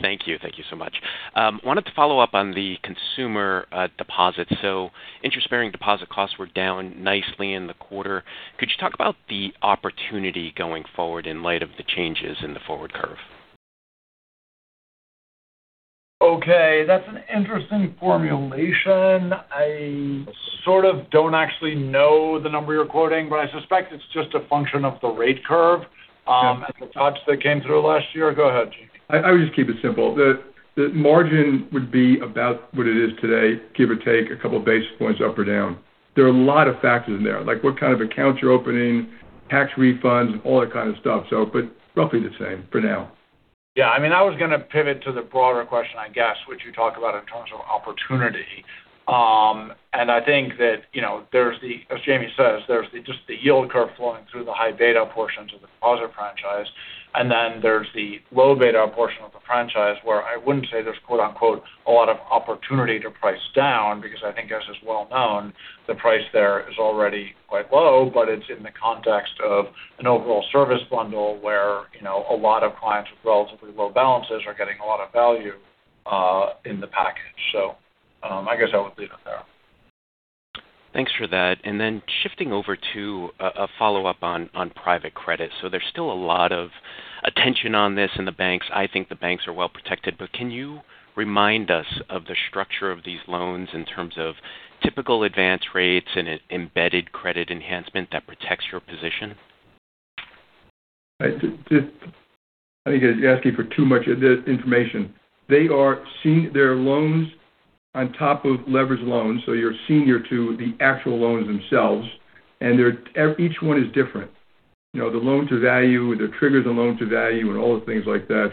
Thank you. Thank you so much. Wanted to follow up on the consumer deposits. Interest-bearing deposit costs were down nicely in the quarter. Could you talk about the opportunity going forward in light of the changes in the forward curve? Okay. That's an interesting formulation. I sort of don't actually know the number you're quoting, but I suspect it's just a function of the rate curve. Yes At the tops that came through last year. Go ahead, Jamie. I would just keep it simple. The margin would be about what it is today, give or take a couple of basis points up or down. There are a lot of factors in there, like what kind of accounts you're opening, tax refunds, and all that kind of stuff. But roughly the same for now. Yeah, I was going to pivot to the broader question, I guess, which you talk about in terms of opportunity. I think that as Jamie says, there's just the yield curve flowing through the high-beta portions of the deposit franchise. There's the low-beta portion of the franchise where I wouldn't say there's quote-unquote a lot of opportunity to price down because I think as is well known, the price there is already quite low, but it's in the context of an overall service bundle where a lot of clients with relatively low balances are getting a lot of value in the package. I guess I would leave it there. Thanks for that. Shifting over to a follow-up on private credit, there's still a lot of attention on this in the banks. I think the banks are well protected, but can you remind us of the structure of these loans in terms of typical advance rates and embedded credit enhancement that protects your position? I think you're asking for too much information. They're loans on top of leveraged loans, so you're senior to the actual loans themselves. Each one is different, the loan-to-value, the triggers, the loan-to-value, and all the things like that.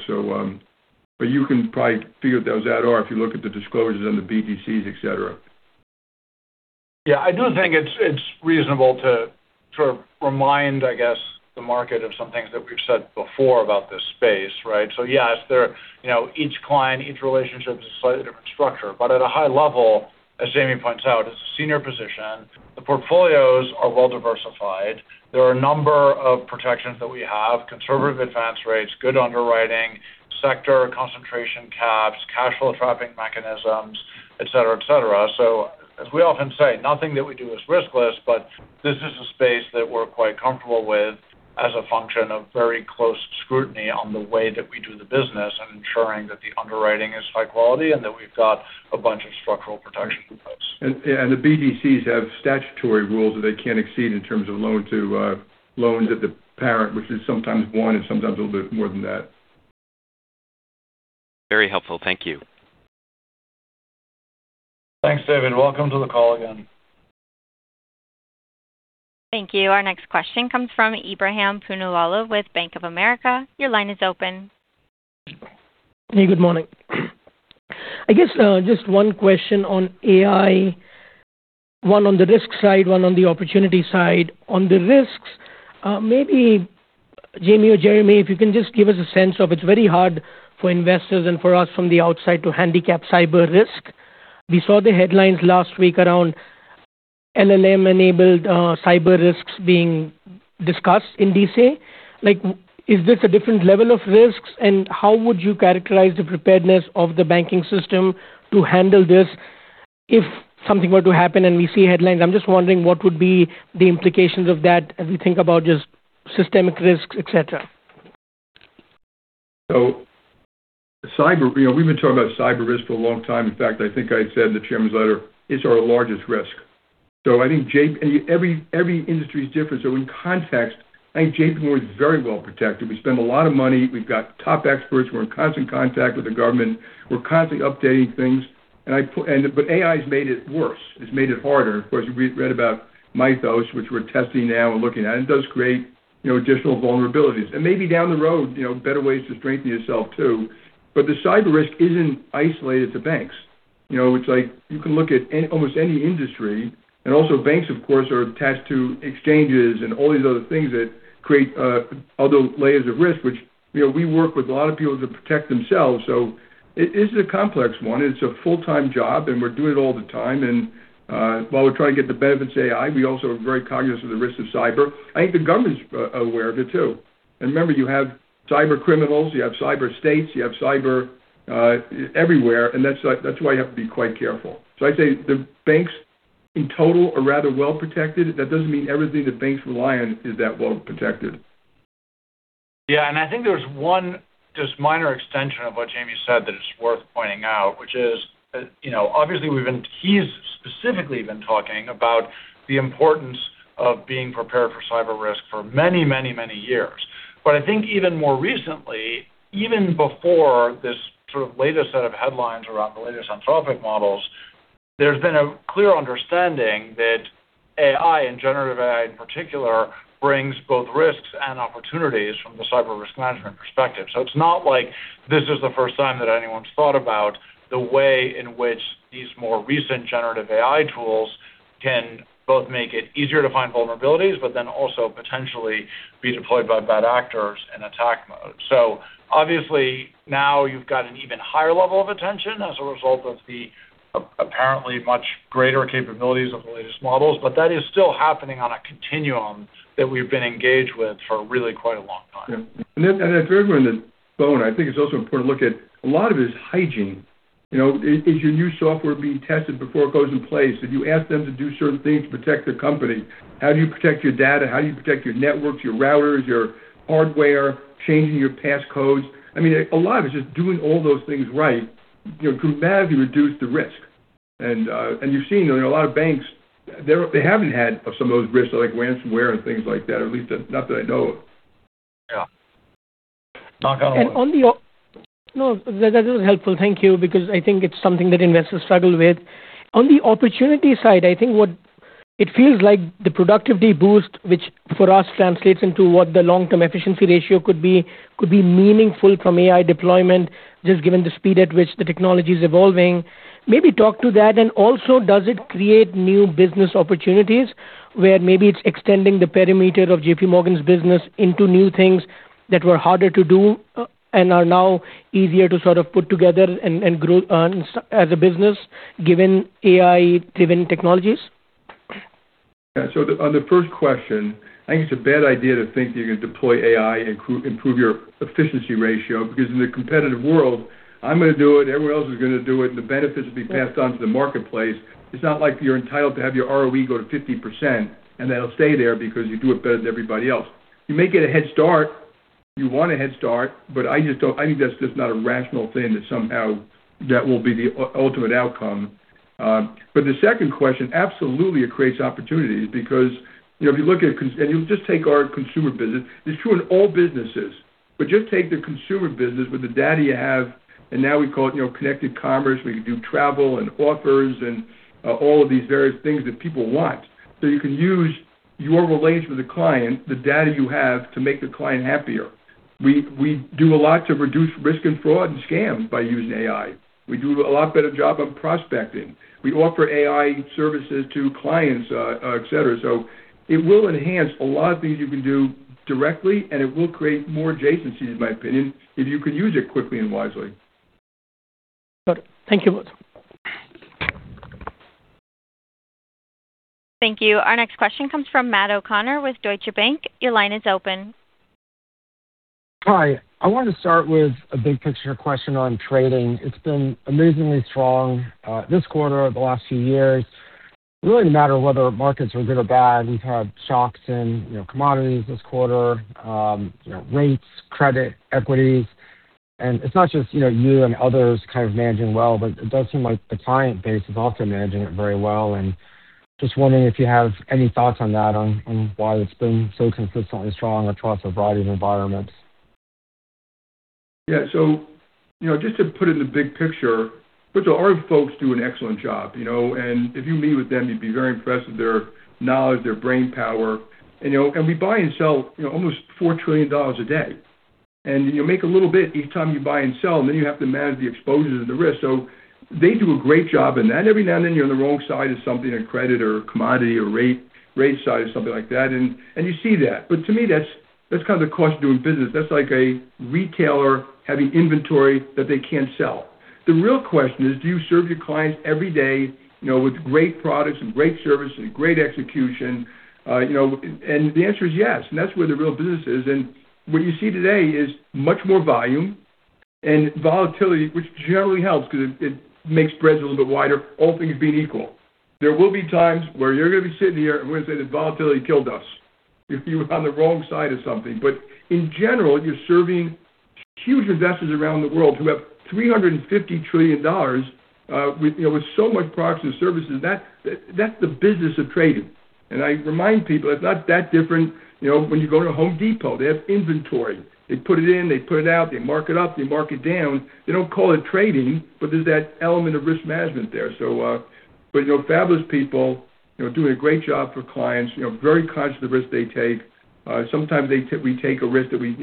You can probably figure those out or if you look at the disclosures on the BDCs, et cetera. Yeah, I do think it's reasonable to sort of remind, I guess, the market of some things that we've said before about this space, right? Yes, each client, each relationship is a slightly different structure. At a high level, as Jamie points out, it's a senior position. The portfolios are well diversified. There are a number of protections that we have, conservative advance rates, good underwriting, sector concentration caps, cash flow trapping mechanisms, et cetera. As we often say, nothing that we do is riskless, but this is a space that we're quite comfortable with as a function of very close scrutiny on the way that we do the business and ensuring that the underwriting is high quality and that we've got a bunch of structural protections in place. The BDCs have statutory rules that they can't exceed in terms of loans at the parent, which is sometimes one and sometimes a little bit more than that. Very helpful. Thank you. Thanks, David. Welcome to the call again. Thank you. Our next question comes from Ebrahim Poonawala with Bank of America. Your line is open. Hey, good morning. I guess just one question on AI, one on the risk side, one on the opportunity side. On the risks, maybe Jamie or Jeremy, if you can just give us a sense of, it's very hard for investors and for us from the outside to handicap cyber risk. We saw the headlines last week around LLM-enabled cyber risks being discussed in D.C. Is this a different level of risks, and how would you characterize the preparedness of the banking system to handle this? If something were to happen and we see headlines, I'm just wondering what would be the implications of that as we think about just systemic risks, et cetera. Cyber. We've been talking about cyber risk for a long time. In fact, I think I said in the Chairman's Letter, it's our largest risk. I think every industry is different. In context, I think JPMorgan is very well protected. We spend a lot of money. We've got top experts. We're in constant contact with the government. We're constantly updating things. AI's made it worse. It's made it harder. Of course, we read about Mythos, which we're testing now and looking at, and it does create additional vulnerabilities. Maybe down the road, better ways to strengthen yourself, too. The cyber risk isn't isolated to banks. It's like you can look at almost any industry, and also banks, of course, are attached to exchanges and all these other things that create other layers of risk, which we work with a lot of people to protect themselves. It is a complex one. It's a full-time job, and we're doing it all the time. While we're trying to get the benefits of AI, we also are very cognizant of the risks of cyber. I think the government's aware of it, too. Remember, you have cyber criminals, you have cyber states, you have cyber everywhere, and that's why you have to be quite careful. I'd say the banks, in total, are rather well protected. That doesn't mean everything that banks rely on is that well protected. Yeah. I think there's one just minor extension of what Jamie said that it's worth pointing out, which is, obviously he's specifically been talking about the importance of being prepared for cyber risk for many years. I think even more recently, even before this sort of latest set of headlines around the latest Anthropic models, there's been a clear understanding that AI, and generative AI in particular, brings both risks and opportunities from the cyber risk management perspective. It's not like this is the first time that anyone's thought about the way in which these more recent generative AI tools can both make it easier to find vulnerabilities, but then also potentially be deployed by bad actors in attack mode. Obviously, now you've got an even higher level of attention as a result of the apparently much greater capabilities of the latest models, but that is still happening on a continuum that we've been engaged with for really quite a long time. Yeah. If you're on the phone, I think it's also important to look at. A lot of it is hygiene. Is your new software being tested before it goes in place? Did you ask them to do certain things to protect their company? How do you protect your data? How do you protect your networks, your routers, your hardware, changing your passcodes? I mean, a lot of it is just doing all those things right can dramatically reduce the risk. You're seeing a lot of banks, they haven't had some of those risks like ransomware and things like that, or at least not that I know of. Yeah. Knock on wood. No, that is helpful. Thank you, because I think it's something that investors struggle with. On the opportunity side, I think what it feels like the productivity boost, which for us translates into what the long-term efficiency ratio could be meaningful from AI deployment, just given the speed at which the technology is evolving. Maybe talk to that, and also does it create new business opportunities where maybe it's extending the perimeter of JPMorgan's business into new things that were harder to do and are now easier to sort of put together and grow as a business given AI-driven technologies? Yeah. On the first question, I think it's a bad idea to think you're going to deploy AI and improve your efficiency ratio because in a competitive world, I'm going to do it, everyone else is going to do it, and the benefits will be passed on to the marketplace. It's not like you're entitled to have your ROE go to 50% and that'll stay there because you do it better than everybody else. You may get a head start. You want a head start, but I think that's just not a rational thing that somehow that will be the ultimate outcome. The second question, absolutely, it creates opportunities because if you just take our consumer business, it's true in all businesses, but just take the consumer business with the data you have, and now we call it Connected Commerce, where you do travel and offers and all of these various things that people want. You can use your relationship with the client, the data you have, to make the client happier. We do a lot to reduce risk and fraud and scams by using AI. We do a lot better job of prospecting. We offer AI services to clients, et cetera. It will enhance a lot of things you can do directly, and it will create more adjacencies, in my opinion, if you can use it quickly and wisely. Got it. Thank you both. Thank you. Our next question comes from Matt O'Connor with Deutsche Bank. Your line is open. Hi. I wanted to start with a big picture question on trading. It's been amazingly strong this quarter over the last few years, really no matter whether markets are good or bad. We've had shocks in commodities this quarter, rates, credit, equities. It's not just you and others kind of managing well, but it does seem like the client base is also managing it very well. Just wondering if you have any thoughts on that, on why it's been so consistently strong across a variety of environments? Yeah. Just to put it in the big picture, first of all, our folks do an excellent job. If you meet with them, you'd be very impressed with their knowledge, their brain power. We buy and sell almost $4 trillion a day. You make a little bit each time you buy and sell, and then you have to manage the exposures and the risk. They do a great job in that. Every now and then you're on the wrong side of something, a credit or a commodity or rate side or something like that, and you see that. To me, that's kind of the cost of doing business. That's like a retailer having inventory that they can't sell. The real question is, do you serve your clients every day with great products and great service and great execution? The answer is yes. That's where the real business is. What you see today is much more volume and volatility, which generally helps because it makes spreads a little bit wider, all things being equal. There will be times where you're going to be sitting here and we're going to say that volatility killed us if you were on the wrong side of something. In general, you're serving huge investors around the world who have $350 trillion with so much products and services. That's the business of trading. I remind people it's not that different when you go to Home Depot. They have inventory. They put it in, they put it out, they mark it up, they mark it down. They don't call it trading, but there's that element of risk management there. Fabulous people doing a great job for clients, very conscious of the risk they take. Sometimes we take a risk that we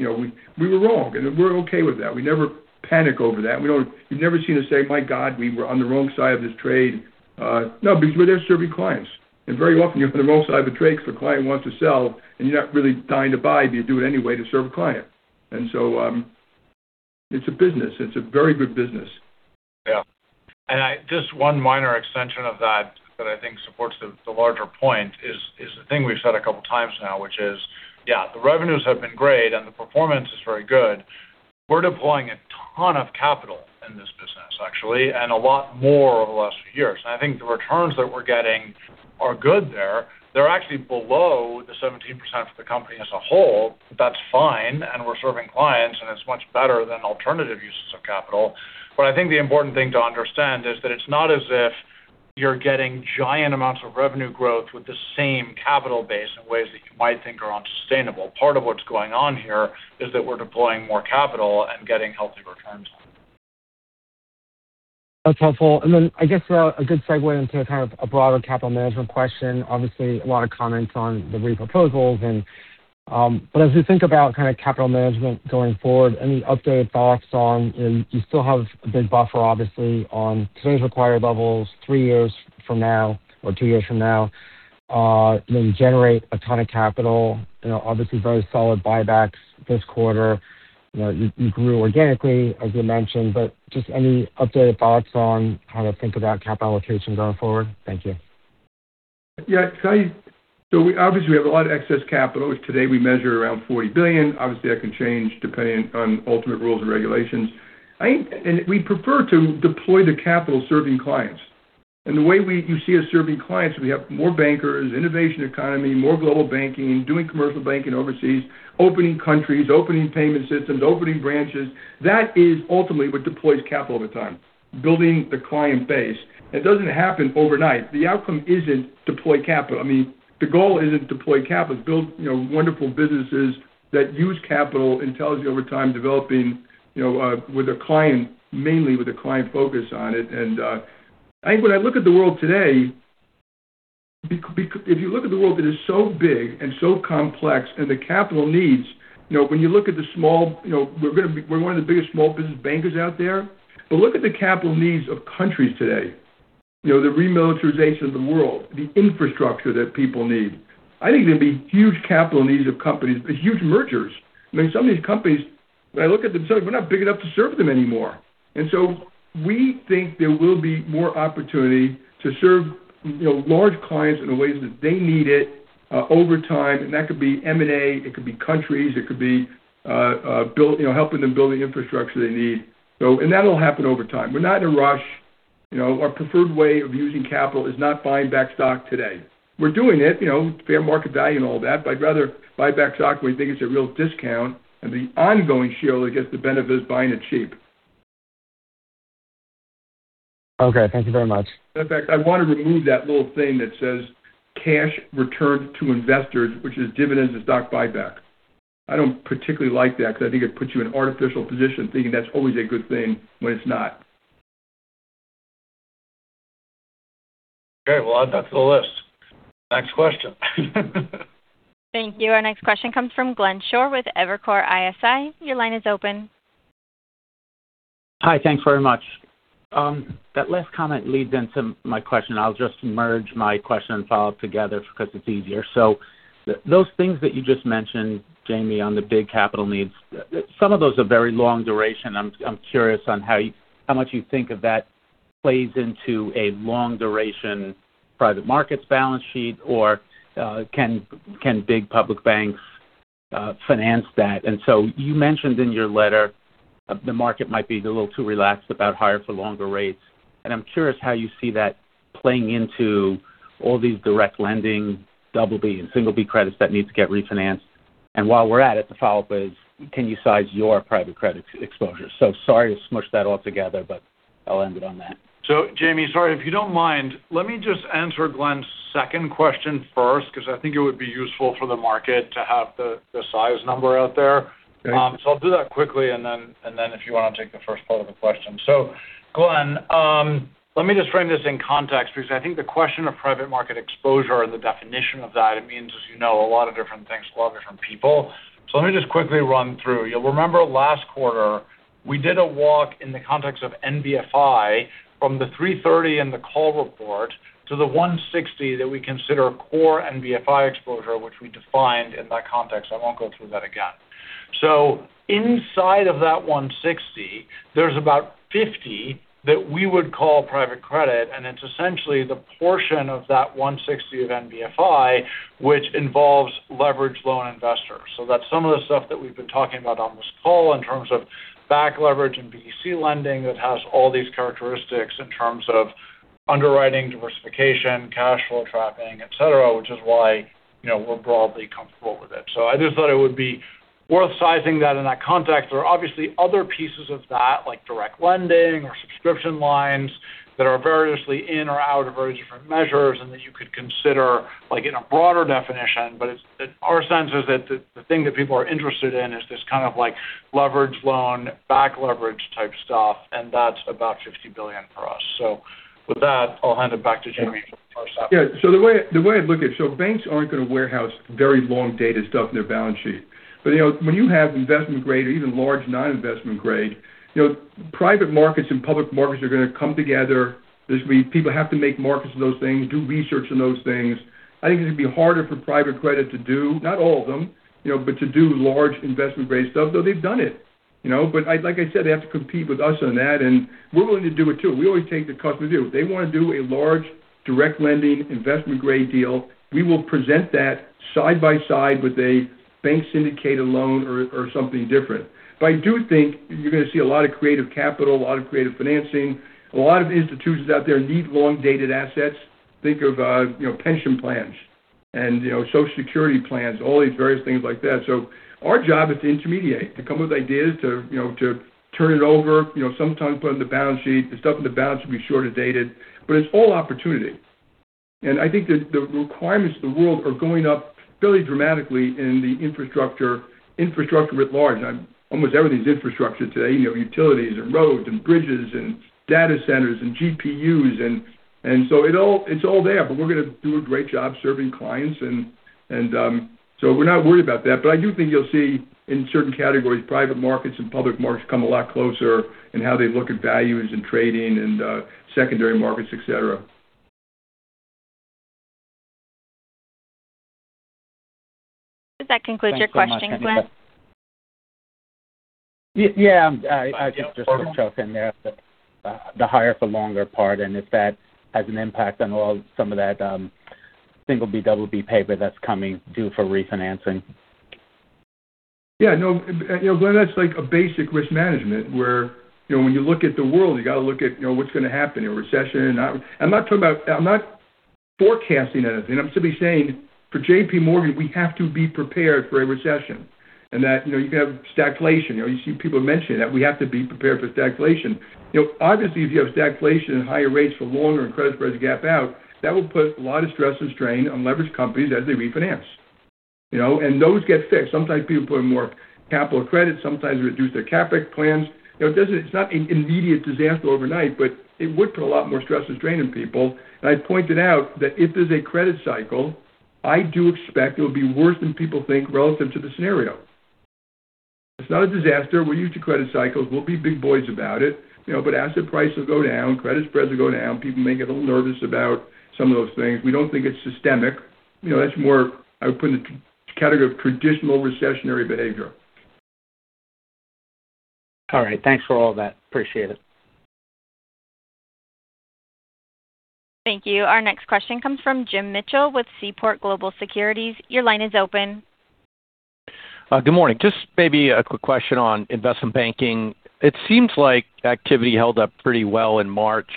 were wrong, and we're okay with that. We never panic over that. You've never seen us say, "My God, we were on the wrong side of this trade." No, because we're there serving clients. Very often you're on the wrong side of a trade because the client wants to sell and you're not really dying to buy, but you do it anyway to serve a client. It's a business. It's a very good business. Yeah. Just one minor extension of that I think supports the larger point is the thing we've said a couple of times now, which is, the revenues have been great and the performance is very good. We're deploying a ton of capital in this business, actually, and a lot more over the last few years. I think the returns that we're getting are good there. They're actually below the 17% for the company as a whole. That's fine, and we're serving clients, and it's much better than alternative uses of capital. I think the important thing to understand is that it's not as if you're getting giant amounts of revenue growth with the same capital base in ways that you might think are unsustainable. Part of what's going on here is that we're deploying more capital and getting healthy returns on it. That's helpful. I guess a good segue into kind of a broader capital management question. Obviously, a lot of comments on the NPR proposals, but as we think about kind of capital management going forward, any updated thoughts on you still have a big buffer, obviously, on today's required levels three years from now or two years from now? You generate a ton of capital, obviously very solid buybacks this quarter. You grew organically, as you mentioned, but just any updated thoughts on how to think about capital allocation going forward? Thank you. Yeah. Obviously, we have a lot of excess capital. Today, we measure around $40 billion. Obviously, that can change depending on ultimate rules and regulations. We prefer to deploy the capital serving clients. The way you see us serving clients, we have more bankers, innovation economy, more global banking, doing commercial banking overseas, opening countries, opening payment systems, opening branches. That is ultimately what deploys capital over time, building the client base. It doesn't happen overnight. The outcome isn't deploy capital. I mean, the goal isn't deploy capital. It's build wonderful businesses that use capital intelligently over time, developing with a client, mainly with a client focus on it. I think when I look at the world today, if you look at the world that is so big and so complex and the capital needs, we're one of the biggest small business bankers out there, but look at the capital needs of countries today, the remilitarization of the world, the infrastructure that people need. I think there'd be huge capital needs of companies, huge mergers. I mean, some of these companies, when I look at them, we're not big enough to serve them anymore. We think there will be more opportunity to serve large clients in the ways that they need it over time. That could be M&A, it could be countries, it could be helping them build the infrastructure they need. That'll happen over time. We're not in a rush. Our preferred way of using capital is not buying back stock today. We're doing it, fair market value and all that, but I'd rather buy back stock when we think it's a real discount, and the ongoing shareholder gets the benefit of buying it cheap. Okay, thank you very much. In fact, I want to remove that little thing that says cash returned to investors, which is dividends and stock buyback. I don't particularly like that because I think it puts you in an artificial position thinking that's always a good thing when it's not. Okay. We'll add that to the list. Next question. Thank you. Our next question comes from Glenn Schorr with Evercore ISI. Your line is open. Hi. Thanks very much. That last comment leads into my question. I'll just merge my question and follow-up together because it's easier. Those things that you just mentioned, Jamie, on the big capital needs, some of those are very long duration. I'm curious on how much you think of that plays into a long duration private markets balance sheet or can big public banks finance that? You mentioned in your letter the market might be a little too relaxed about higher for longer rates. I'm curious how you see that playing into all these direct lending BB and B credits that need to get refinanced. While we're at it, the follow-up is, can you size your private credit exposure? Sorry to smush that all together, but I'll end it on that. Jamie, sorry, if you don't mind, let me just answer Glenn's second question first because I think it would be useful for the market to have the size number out there. Okay. I'll do that quickly, and then if you want to take the first part of the question. Glenn, let me just frame this in context because I think the question of private market exposure and the definition of that, it means, as you know, a lot of different things to a lot of different people. Let me just quickly run through. You'll remember last quarter we did a walk in the context of NBFI from the $330 in the call report to the $160 that we consider core NBFI exposure, which we defined in that context. I won't go through that again. Inside of that $160, there's about $50 that we would call private credit, and it's essentially the portion of that $160 of NBFI which involves leverage loan investors. That's some of the stuff that we've been talking about on this call in terms of back leverage and BDC lending that has all these characteristics. Underwriting, diversification, cash flow trapping, et cetera, which is why we're broadly comfortable with it. I just thought it would be worth sizing that in that context. There are obviously other pieces of that, like direct lending or subscription lines, that are variously in or out of very different measures and that you could consider in a broader definition. Our sense is that the thing that people are interested in is this kind of like leveraged loan, back leverage type stuff, and that's about $60 billion for us. With that, I'll hand it back to Jamie for the first half. Yeah. The way I look at it, banks aren't going to warehouse very long-dated stuff in their balance sheet. When you have investment grade or even large non-investment grade, private markets and public markets are going to come together. People have to make markets of those things, do research on those things. I think it'd be harder for private credit to do, not all of them, but to do large investment grade stuff, though they've done it. Like I said, they have to compete with us on that, and we're willing to do it too. We always take the customer too. If they want to do a large direct lending investment grade deal, we will present that side by side with a bank syndicated loan or something different. I do think you're going to see a lot of creative capital, a lot of creative financing. A lot of institutions out there need long-dated assets. Think of pension plans and Social Security plans, all these various things like that. Our job is to intermediate, to come with ideas, to turn it over, sometimes put it on the balance sheet. The stuff on the balance sheet will be shorter dated. It's all opportunity. I think that the requirements of the world are going up fairly dramatically in the infrastructure at large. Almost everything's infrastructure today, utilities and roads and bridges and data centers and GPUs. It's all there, but we're going to do a great job serving clients. We're not worried about that. I do think you'll see in certain categories, private markets and public markets come a lot closer in how they look at values and trading and secondary markets, et cetera. That concludes your question, Glenn. Thanks so much. Yeah. Go ahead. To chime in there, the higher-for-longer part, and if that has an impact on some of that B, BB paper that's coming due for refinancing. Yeah. No, Glenn, that's like a basic risk management where when you look at the world, you got to look at what's going to happen in a recession. I'm not forecasting anything. I'm simply saying, for JPMorgan, we have to be prepared for a recession, and that you can have stagflation. You see people mentioning that we have to be prepared for stagflation. Obviously, if you have stagflation and higher rates for longer and credit spreads gap out, that will put a lot of stress and strain on leveraged companies as they refinance. Those get fixed. Sometimes people put in more capital or credit, sometimes reduce their CapEx plans. It's not an immediate disaster overnight, but it would put a lot more stress and strain on people. I pointed out that if there's a credit cycle, I do expect it will be worse than people think relative to the scenario. It's not a disaster. We're used to credit cycles. We'll be big boys about it. Asset prices will go down, credit spreads will go down. People may get a little nervous about some of those things. We don't think it's systemic. That's more, I would put in the category of traditional recessionary behavior. All right. Thanks for all that. Appreciate it. Thank you. Our next question comes from Jim Mitchell with Seaport Global Securities. Your line is open. Good morning, just maybe a quick question on investment banking. It seems like activity held up pretty well in March,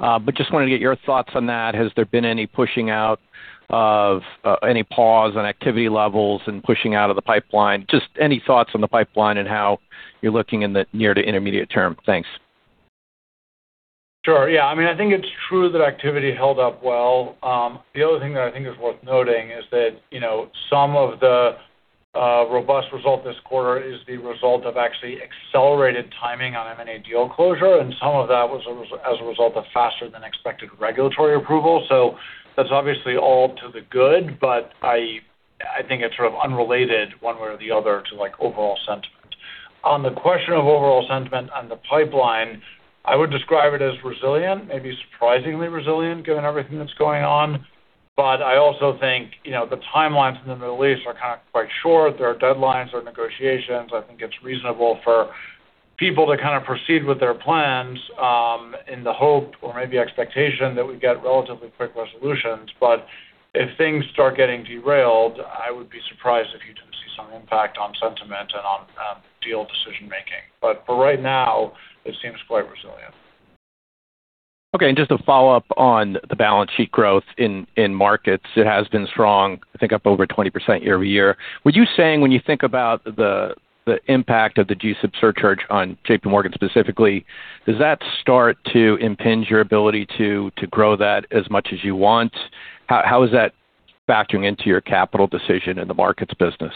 but I just wanted to get your thoughts on that. Has there been any pushing out or any pause on activity levels and pushing out of the pipeline? Just any thoughts on the pipeline and how you're looking in the near to intermediate term? Thanks. Sure. Yeah. I think it's true that activity held up well. The other thing that I think is worth noting is that some of the robust result this quarter is the result of actually accelerated timing on M&A deal closure, and some of that was as a result of faster than expected regulatory approval. That's obviously all to the good, but I think it's sort of unrelated one way or the other to overall sentiment. On the question of overall sentiment on the pipeline, I would describe it as resilient, maybe surprisingly resilient, given everything that's going on. I also think the timelines in the Middle East are kind of quite short. There are deadlines or negotiations. I think it's reasonable for people to kind of proceed with their plans, in the hope or maybe expectation that we get relatively quick resolutions. If things start getting derailed, I would be surprised if you didn't see some impact on sentiment and on deal decision-making. For right now, it seems quite resilient. Okay. Just to follow up on the balance sheet growth in markets, it has been strong, I think up over 20% year-over-year. Would you say when you think about the impact of the G-SIB surcharge on JPMorgan specifically, does that start to impinge your ability to grow that as much as you want? How is that factoring into your capital decision in the markets business?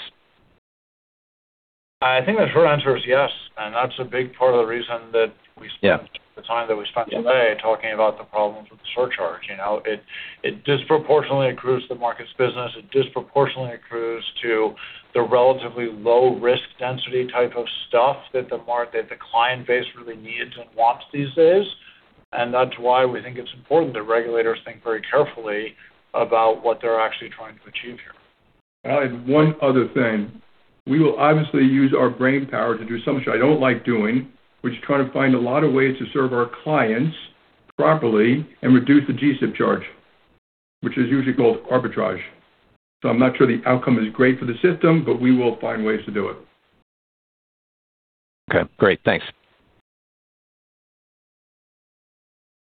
I think the short answer is yes, and that's a big part of the reason that we spent. Yeah. The time that we spent today talking about the problems with the surcharge. It disproportionately accrues to Markets business. It disproportionately accrues to the relatively low-risk density type of stuff that the client base really needs and wants these days. That's why we think it's important that regulators think very carefully about what they're actually trying to achieve here. I have one other thing. We will obviously use our brainpower to do something I don't like doing, which is trying to find a lot of ways to serve our clients properly and reduce the G-SIB charge, which is usually called arbitrage. I'm not sure the outcome is great for the system, but we will find ways to do it. Okay, great. Thanks.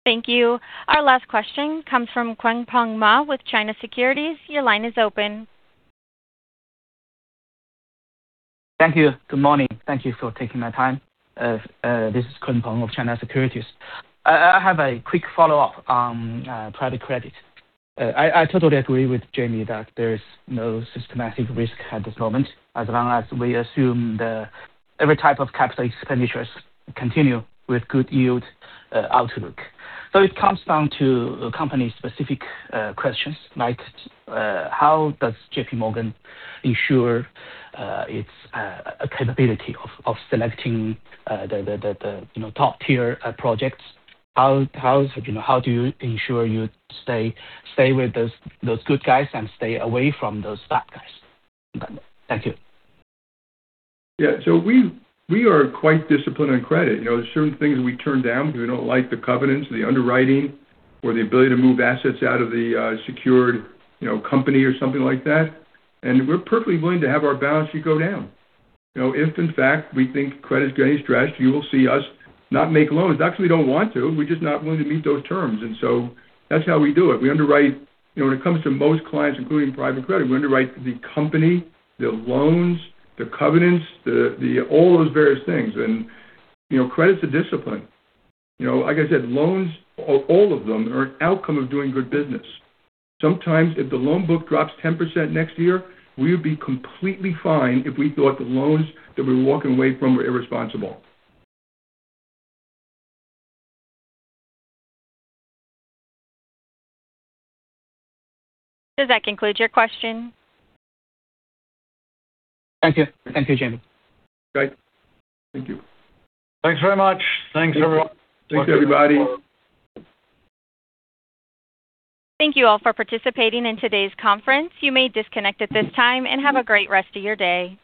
Thank you. Our last question comes from Kunpeng Ma with China Securities. Your line is open. Thank you. Good morning. Thank you for taking my time. This is Kunpeng of China Securities. I have a quick follow-up on private credit. I totally agree with Jamie that there is no systematic risk at this moment, as long as we assume that every type of capital expenditures continue with good yield outlook. It comes down to company-specific questions, like how does JPMorgan ensure its capability of selecting the top-tier projects? How do you ensure you stay with those good guys and stay away from those bad guys? Thank you. Yeah. We are quite disciplined on credit. There are certain things we turn down. We don't like the covenants, the underwriting, or the ability to move assets out of the secured company or something like that. We're perfectly willing to have our balance sheet go down. If in fact, we think credit is getting stretched, you will see us not make loans, not because we don't want to. We're just not willing to meet those terms. That's how we do it. When it comes to most clients, including private credit, we underwrite the company, the loans, the covenants, all those various things. Credit's a discipline. Like I said, loans, all of them are an outcome of doing good business. Sometimes if the loan book drops 10% next year, we would be completely fine if we thought the loans that we're walking away from were irresponsible. Does that conclude your question? Thank you. Thank you, Jamie. Great. Thank you. Thanks very much. Thanks, everyone. Thank you. Thanks, everybody. Thank you all for participating in today's conference. You may disconnect at this time, and have a great rest of your day.